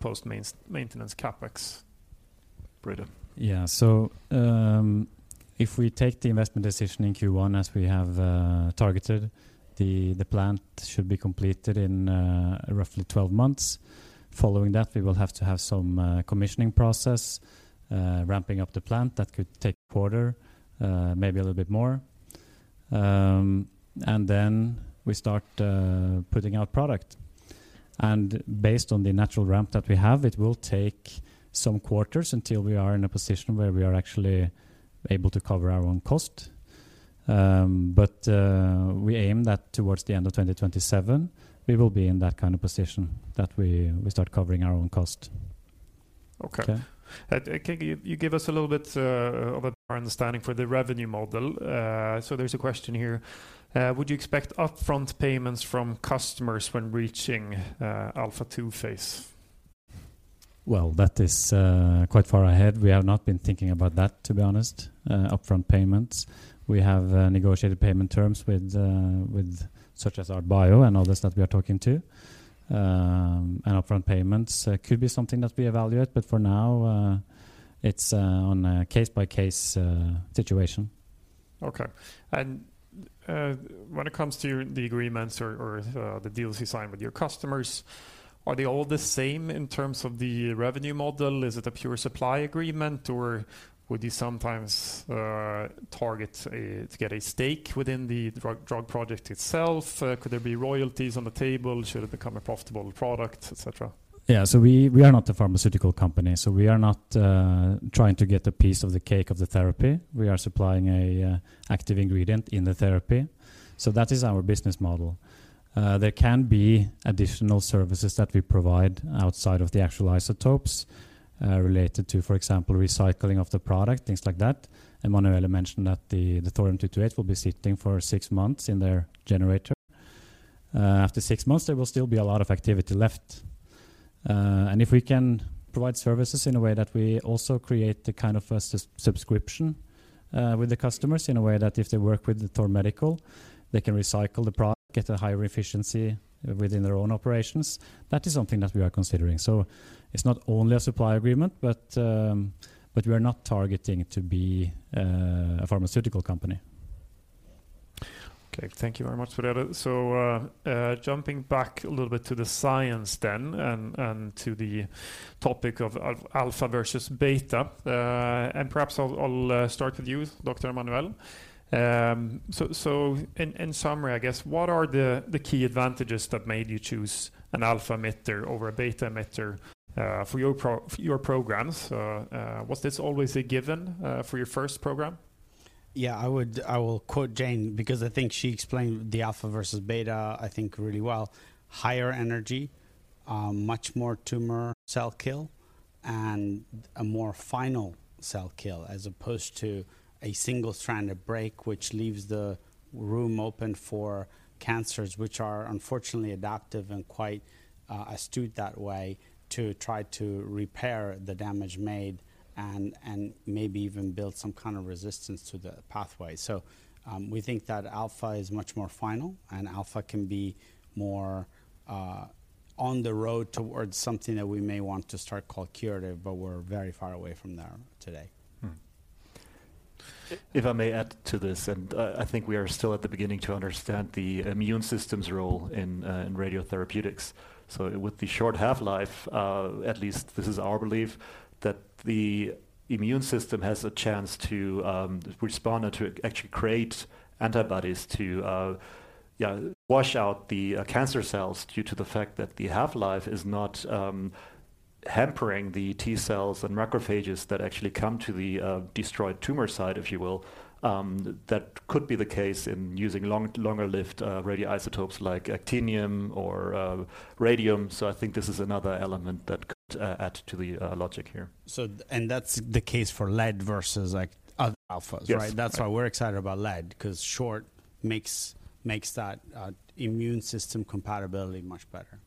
post-maintenance CapEx? Brede. Yeah, so if we take the investment decision in Q1 as we have targeted, the plant should be completed in roughly 12 months. Following that, we will have to have some commissioning process, ramping up the plant. That could take a quarter, maybe a little bit more. And then we start putting out product. And based on the natural ramp that we have, it will take some quarters until we are in a position where we are actually able to cover our own cost. But we aim that towards the end of 2027, we will be in that kind of position that we start covering our own cost. Okay. Can you give us a little bit of a better understanding for the revenue model? So there's a question here. Would you expect upfront payments from customers when reaching Alpha II Phase? That is quite far ahead. We have not been thinking about that, to be honest, upfront payments. We have negotiated payment terms with such as ArtBio and others that we are talking to. Upfront payments could be something that we evaluate. For now, it's on a case-by-case situation. Okay. And when it comes to the agreements or the deals you sign with your customers, are they all the same in terms of the revenue model? Is it a pure supply agreement, or would you sometimes target to get a stake within the drug project itself? Could there be royalties on the table? Should it become a profitable product, et cetera? Yeah. So we are not a pharmaceutical company. So we are not trying to get a piece of the cake of the therapy. We are supplying an active ingredient in the therapy. So that is our business model. There can be additional services that we provide outside of the actual isotopes related to, for example, recycling of the product, things like that. Emanuele mentioned that the thorium-228 will be sitting for six months in their generator. After six months, there will still be a lot of activity left. And if we can provide services in a way that we also create the kind of subscription with the customers in a way that if they work with Thor Medical, they can recycle the product, get a higher efficiency within their own operations, that is something that we are considering. So it's not only a supply agreement, but we are not targeting to be a pharmaceutical company. Okay. Thank you very much, Brede. So, jumping back a little bit to the science then and to the topic of alpha versus beta, and perhaps I'll start with you, Dr. Emanuele. So, in summary, I guess, what are the key advantages that made you choose an alpha emitter over a beta emitter for your programs? Was this always a given for your first program? Yeah, I will quote Jane because I think she explained the alpha versus beta, I think, really well. Higher energy, much more tumor cell kill, and a more final cell kill as opposed to a single stranded break, which leaves the room open for cancers, which are unfortunately adaptive and quite astute that way to try to repair the damage made and maybe even build some kind of resistance to the pathway. So we think that alpha is much more final and alpha can be more on the road towards something that we may want to start called curative, but we're very far away from there today. If I may add to this, and I think we are still at the beginning to understand the immune system's role in radiopharmaceuticals, so with the short half-life, at least this is our belief, that the immune system has a chance to respond and to actually create antibodies to wash out the cancer cells due to the fact that the half-life is not hampering the T cells and macrophages that actually come to the destroyed tumor side, if you will. That could be the case in using longer-lived radioisotopes like actinium or radium, so I think this is another element that could add to the logic here. That's the case for lead versus other alphas, right? That's why we're excited about lead because short makes that immune system compatibility much better.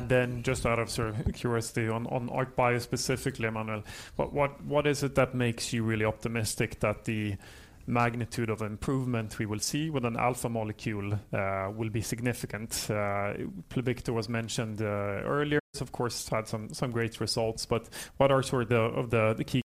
Then just out of sort of curiosity on ArtBio specifically, Emanuele, what is it that makes you really optimistic that the magnitude of improvement we will see with an alpha molecule will be significant? Pluvicto was mentioned earlier, of course, had some great results, but what are sort of the key?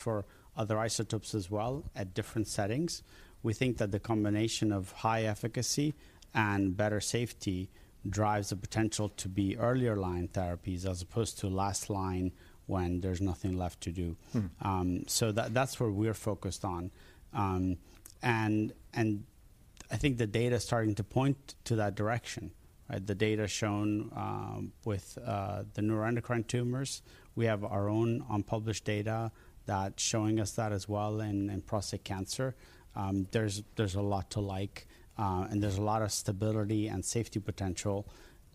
For other isotopes as well at different settings. We think that the combination of high efficacy and better safety drives the potential to be earlier line therapies as opposed to last line when there's nothing left to do. So that's what we're focused on, and I think the data is starting to point to that direction. The data shown with the neuroendocrine tumors. We have our own unpublished data that's showing us that as well in prostate cancer. There's a lot to like, and there's a lot of stability and safety potential.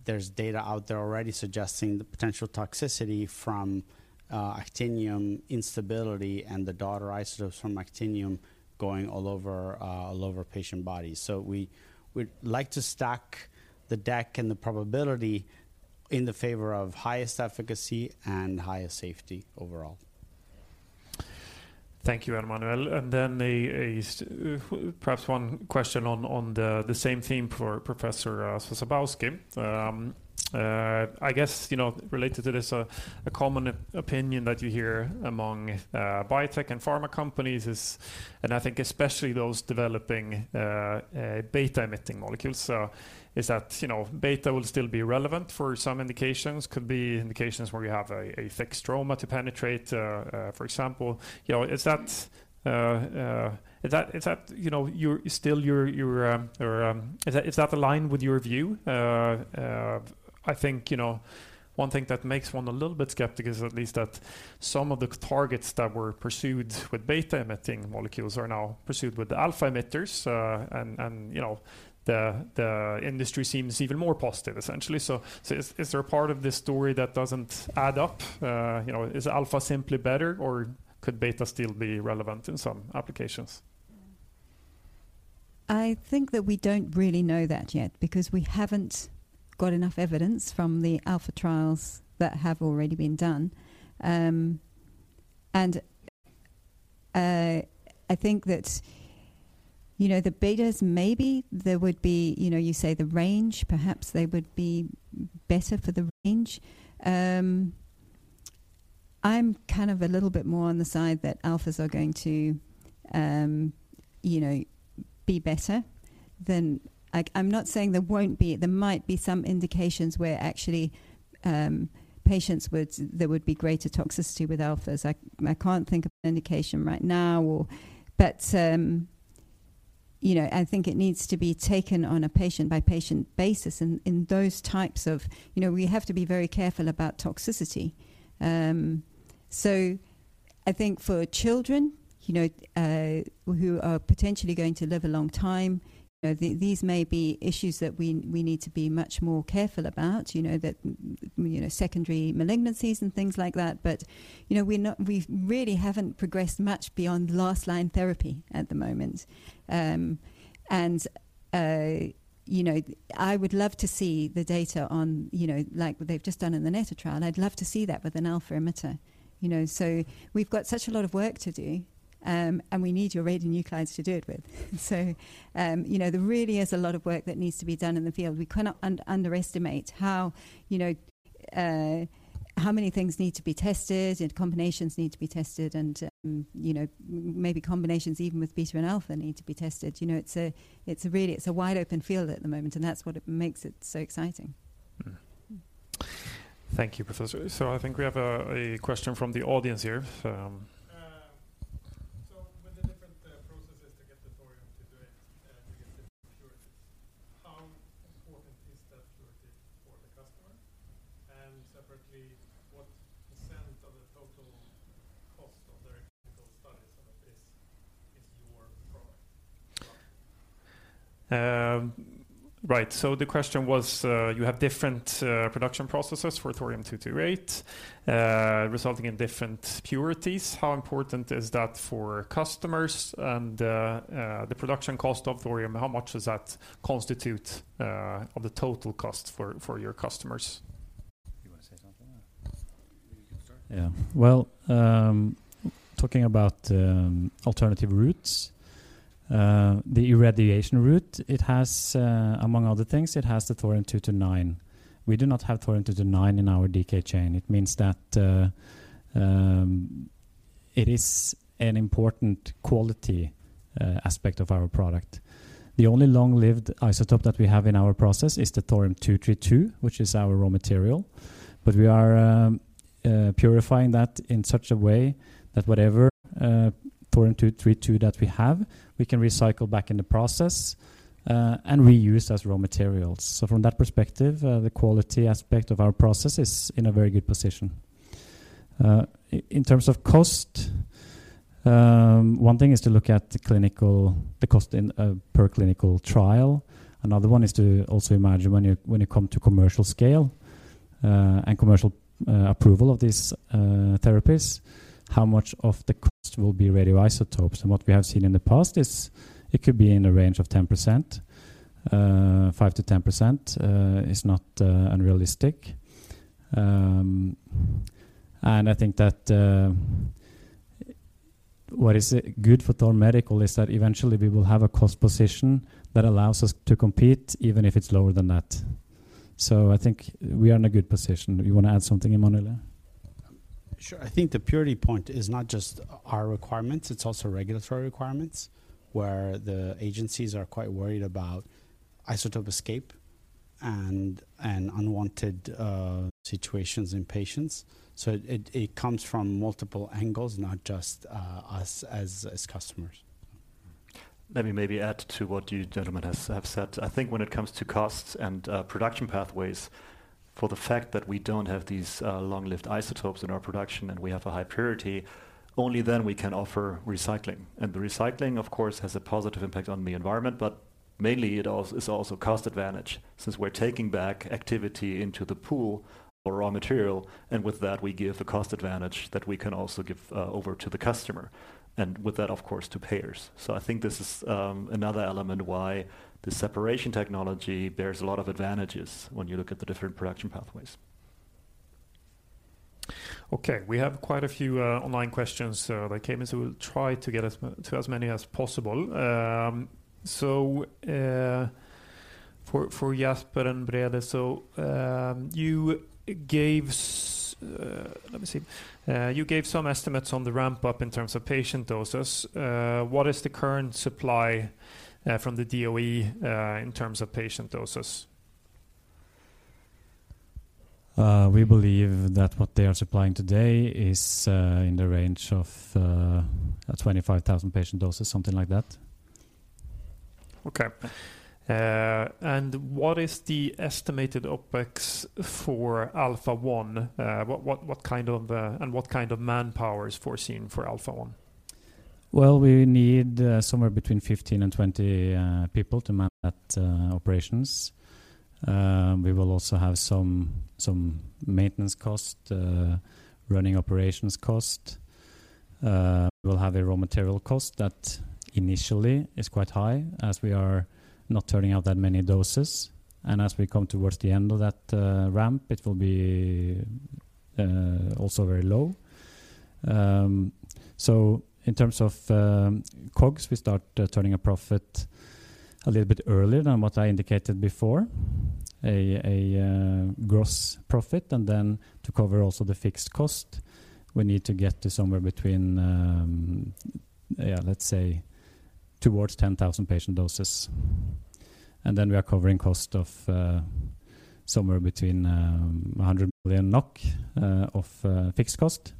There's data out there already suggesting the potential toxicity from actinium instability and the daughter isotopes from actinium going all over patient bodies, so we'd like to stack the deck and the probability in the favor of highest efficacy and highest safety overall. Thank you, Emanuele. And then perhaps one question on the same theme for Professor Sosabowski. I guess related to this, a common opinion that you hear among biotech and pharma companies is, and I think especially those developing beta-emitting molecules, is that beta will still be relevant for some indications. Could be indications where you have a thick stroma to penetrate, for example. Is that still your, is that aligned with your view? I think one thing that makes one a little bit skeptical is at least that some of the targets that were pursued with beta-emitting molecules are now pursued with the alpha emitters. And the industry seems even more positive, essentially. So is there a part of this story that doesn't add up? Is alpha simply better, or could beta still be relevant in some applications? I think that we don't really know that yet because we haven't got enough evidence from the alpha trials that have already been done. And I think that the betas, maybe there would be, you say the range, perhaps they would be better for the range. I'm kind of a little bit more on the side that alphas are going to be better than, I'm not saying there won't be, there might be some indications where actually patients would, there would be greater toxicity with alphas. I can't think of an indication right now, but I think it needs to be taken on a patient-by-patient basis in those types of, we have to be very careful about toxicity. So I think for children who are potentially going to live a long time, these may be issues that we need to be much more careful about, secondary malignancies and things like that. But we really haven't progressed much beyond last line therapy at the moment. And I would love to see the data on, like they've just done in the NETTER trial, I'd love to see that with an alpha emitter. So we've got such a lot of work to do, and we need your radionuclides to do it with. So there really is a lot of work that needs to be done in the field. We cannot underestimate how many things need to be tested, combinations need to be tested, and maybe combinations even with beta and alpha need to be tested. It's a wide open field at the moment, and that's what makes it so exciting. Thank you, Professor. So I think we have a question from the audience here. With the different processes to get the thorium to get it pure, how important is that purity for the customer? And separately, what % of the total cost of their clinical studies is your product? Right. So the question was, you have different production processes for thorium-228 resulting in different purities. How important is that for customers? And the production cost of thorium-228, how much does that constitute of the total cost for your customers? You want to say something? Yeah. Well, talking about alternative routes, the irradiation route, it has, among other things, it has the thorium-229. We do not have thorium-229 in our decay chain. It means that it is an important quality aspect of our product. The only long-lived isotope that we have in our process is the Thorium-232, which is our raw material. But we are purifying that in such a way that whatever Thorium-232 that we have, we can recycle back in the process and reuse as raw materials. So from that perspective, the quality aspect of our process is in a very good position. In terms of cost, one thing is to look at the cost per clinical trial. Another one is to also imagine when you come to commercial scale and commercial approval of these therapies, how much of the cost will be radioisotopes. What we have seen in the past is it could be in the range of 10%. 5%-10% is not unrealistic. And I think that what is good for Thor Medical is that eventually we will have a cost position that allows us to compete even if it's lower than that. So I think we are in a good position. You want to add something, Emanuele? Sure. I think the purity point is not just our requirements, it's also regulatory requirements where the agencies are quite worried about isotope escape and unwanted situations in patients. So it comes from multiple angles, not just us as customers. Let me maybe add to what you gentlemen have said. I think when it comes to costs and production pathways, for the fact that we don't have these long-lived isotopes in our production and we have a high purity, only then we can offer recycling. And the recycling, of course, has a positive impact on the environment, but mainly it is also a cost advantage since we're taking back activity into the pool or raw material. And with that, we give a cost advantage that we can also give over to the customer. And with that, of course, to payers. So I think this is another element why the separation technology bears a lot of advantages when you look at the different production pathways. Okay. We have quite a few online questions that came in, so we'll try to get to as many as possible. For Jasper and Brede, you gave some estimates on the ramp-up in terms of patient doses. What is the current supply from the DOE in terms of patient doses? We believe that what they are supplying today is in the range of 25,000 patient doses, something like that. Okay. And what is the estimated OpEx for Alpha-1? What kind of manpower is foreseen for Alpha-1? We need somewhere between 15 and 20 people to man that operations. We will also have some maintenance cost, running operations cost. We will have a raw material cost that initially is quite high as we are not turning out that many doses. As we come towards the end of that ramp, it will be also very low. In terms of COGS, we start turning a profit a little bit earlier than what I indicated before, a gross profit. To cover also the fixed cost, we need to get to somewhere between, yeah, let's say towards 10,000 patient doses. We are covering cost of somewhere between 100 million NOK of fixed cost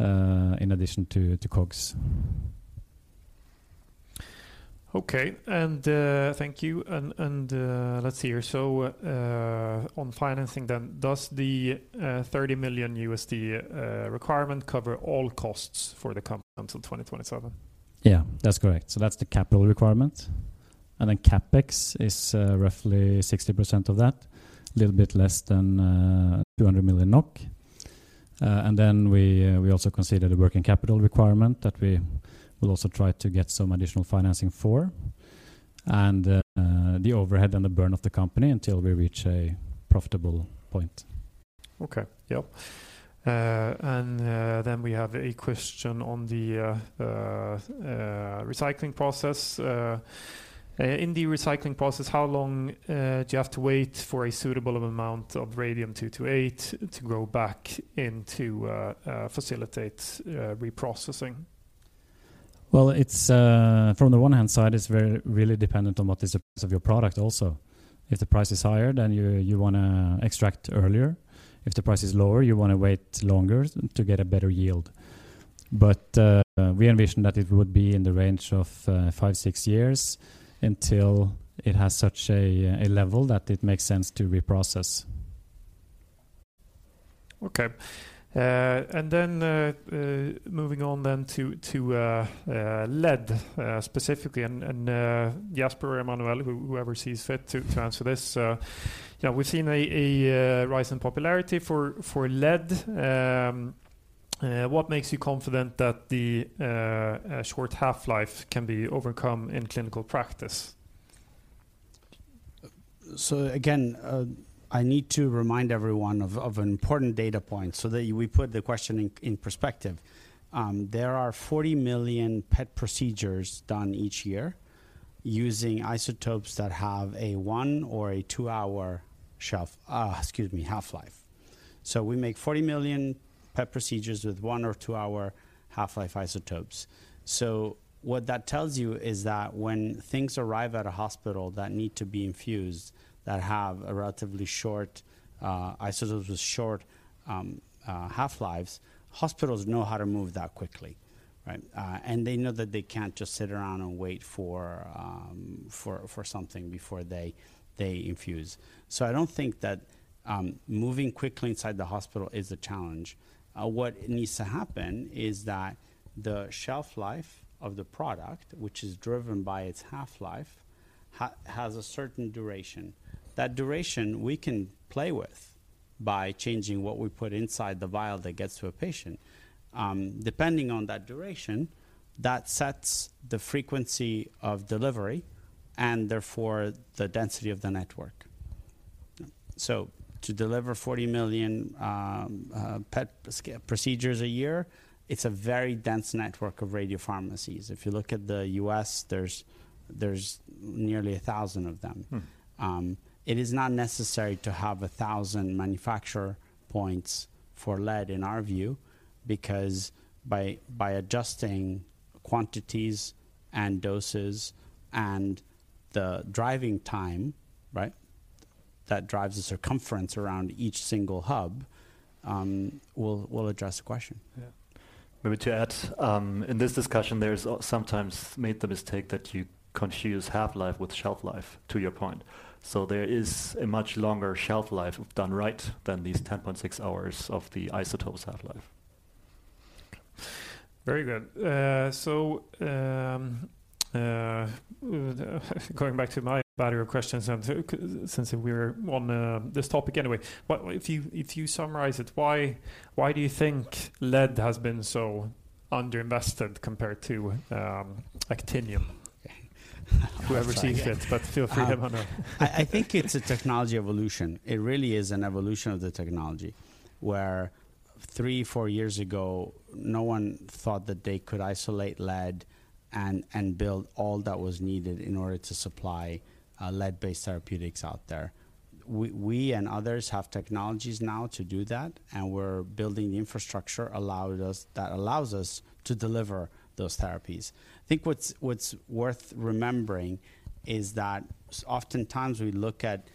in addition to COGS. Thank you. On financing then, does the $30 million requirement cover all costs for the company until 2027? Yeah, that's correct. So that's the capital requirement. And then CapEx is roughly 60% of that, a little bit less than 200 million NOK. And then we also consider the working capital requirement that we will also try to get some additional financing for. And the overhead and the burn of the company until we reach a profitable point. Okay. Yeah. And then we have a question on the recycling process. In the recycling process, how long do you have to wait for a suitable amount of Radium-228 to go back in to facilitate reprocessing? On the one hand, it's really dependent on what is the price of your product also. If the price is higher, then you want to extract earlier. If the price is lower, you want to wait longer to get a better yield. But we envision that it would be in the range of five, six years until it has such a level that it makes sense to reprocess. Okay. And then moving on then to lead specifically. And Jasper or Emanuele, whoever sees fit to answer this. Yeah, we've seen a rise in popularity for lead. What makes you confident that the short half-life can be overcome in clinical practice? So again, I need to remind everyone of an important data point so that we put the question in perspective. There are 40 million PET procedures done each year using isotopes that have a one- or two-hour shelf, excuse me, half-life. So we make 40 million PET procedures with one- or two-hour half-life isotopes. So what that tells you is that when things arrive at a hospital that need to be infused, that have a relatively short, isotopes with short half-lives, hospitals know how to move that quickly. And they know that they can't just sit around and wait for something before they infuse. So I don't think that moving quickly inside the hospital is a challenge. What needs to happen is that the shelf life of the product, which is driven by its half-life, has a certain duration. That duration we can play with by changing what we put inside the vial that gets to a patient. Depending on that duration, that sets the frequency of delivery and therefore the density of the network. So to deliver 40 million PET procedures a year, it's a very dense network of radiopharmacies. If you look at the U.S., there's nearly a thousand of them. It is not necessary to have a thousand manufacturer points for lead in our view because by adjusting quantities and doses and the driving time that drives the circumference around each single hub will address the question. Maybe to add, in this discussion, there's sometimes made the mistake that you confuse half-life with shelf life to your point. So there is a much longer shelf life done right than these 10.6 hours of the isotope's half-life. Very good. Going back to my battery of questions, since we're on this topic anyway, if you summarize it, why do you think lead has been so underinvested compared to actinium? Whoever sees fit, but feel free, Emanuele. I think it's a technology evolution. It really is an evolution of the technology where three, four years ago, no one thought that they could isolate lead and build all that was needed in order to supply lead-based therapeutics out there. We and others have technologies now to do that, and we're building the infrastructure that allows us to deliver those therapies. I think what's worth remembering is that oftentimes we look at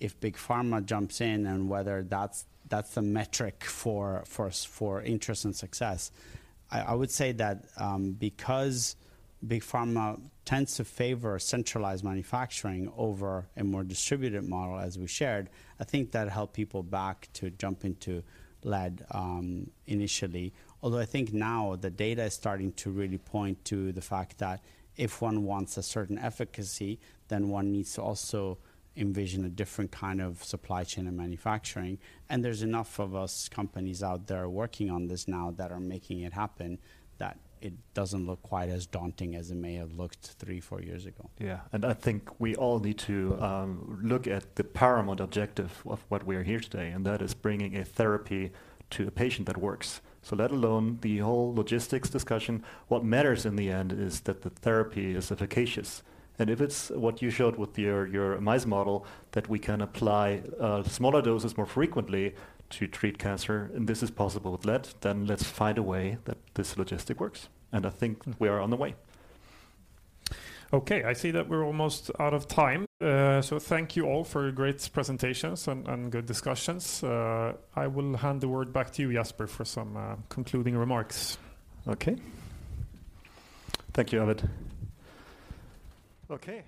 if big pharma jumps in and whether that's the metric for interest and success. I would say that because big pharma tends to favor centralized manufacturing over a more distributed model, as we shared, I think that'll help people back to jump into lead initially. Although I think now the data is starting to really point to the fact that if one wants a certain efficacy, then one needs to also envision a different kind of supply chain and manufacturing, and there's enough of U.S. companies out there working on this now that are making it happen that it doesn't look quite as daunting as it may have looked three, four years ago. Yeah, and I think we all need to look at the paramount objective of what we are here today, and that is bringing a therapy to a patient that works, so let alone the whole logistics discussion. What matters in the end is that the therapy is efficacious, and if it's what you showed with your mice model that we can apply smaller doses more frequently to treat cancer, and this is possible with lead, then let's find a way that this logistic works, and I think we are on the way. Okay, I see that we're almost out of time, so thank you all for your great presentations and good discussions. I will hand the word back to you, Jasper, for some concluding remarks. Okay. Thank you, Abid. Okay.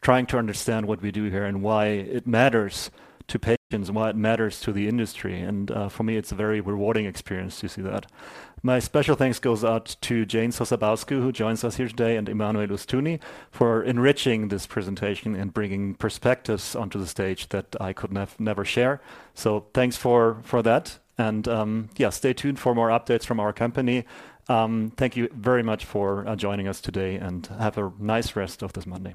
Trying to understand what we do here and why it matters to patients, why it matters to the industry. And for me, it's a very rewarding experience to see that. My special thanks goes out to Jane Sosabowski, who joins us here today, and Emanuele Ostuni for enriching this presentation and bringing perspectives onto the stage that I could never share. So thanks for that. And yeah, stay tuned for more updates from our company. Thank you very much for joining us today and have a nice rest of this Monday.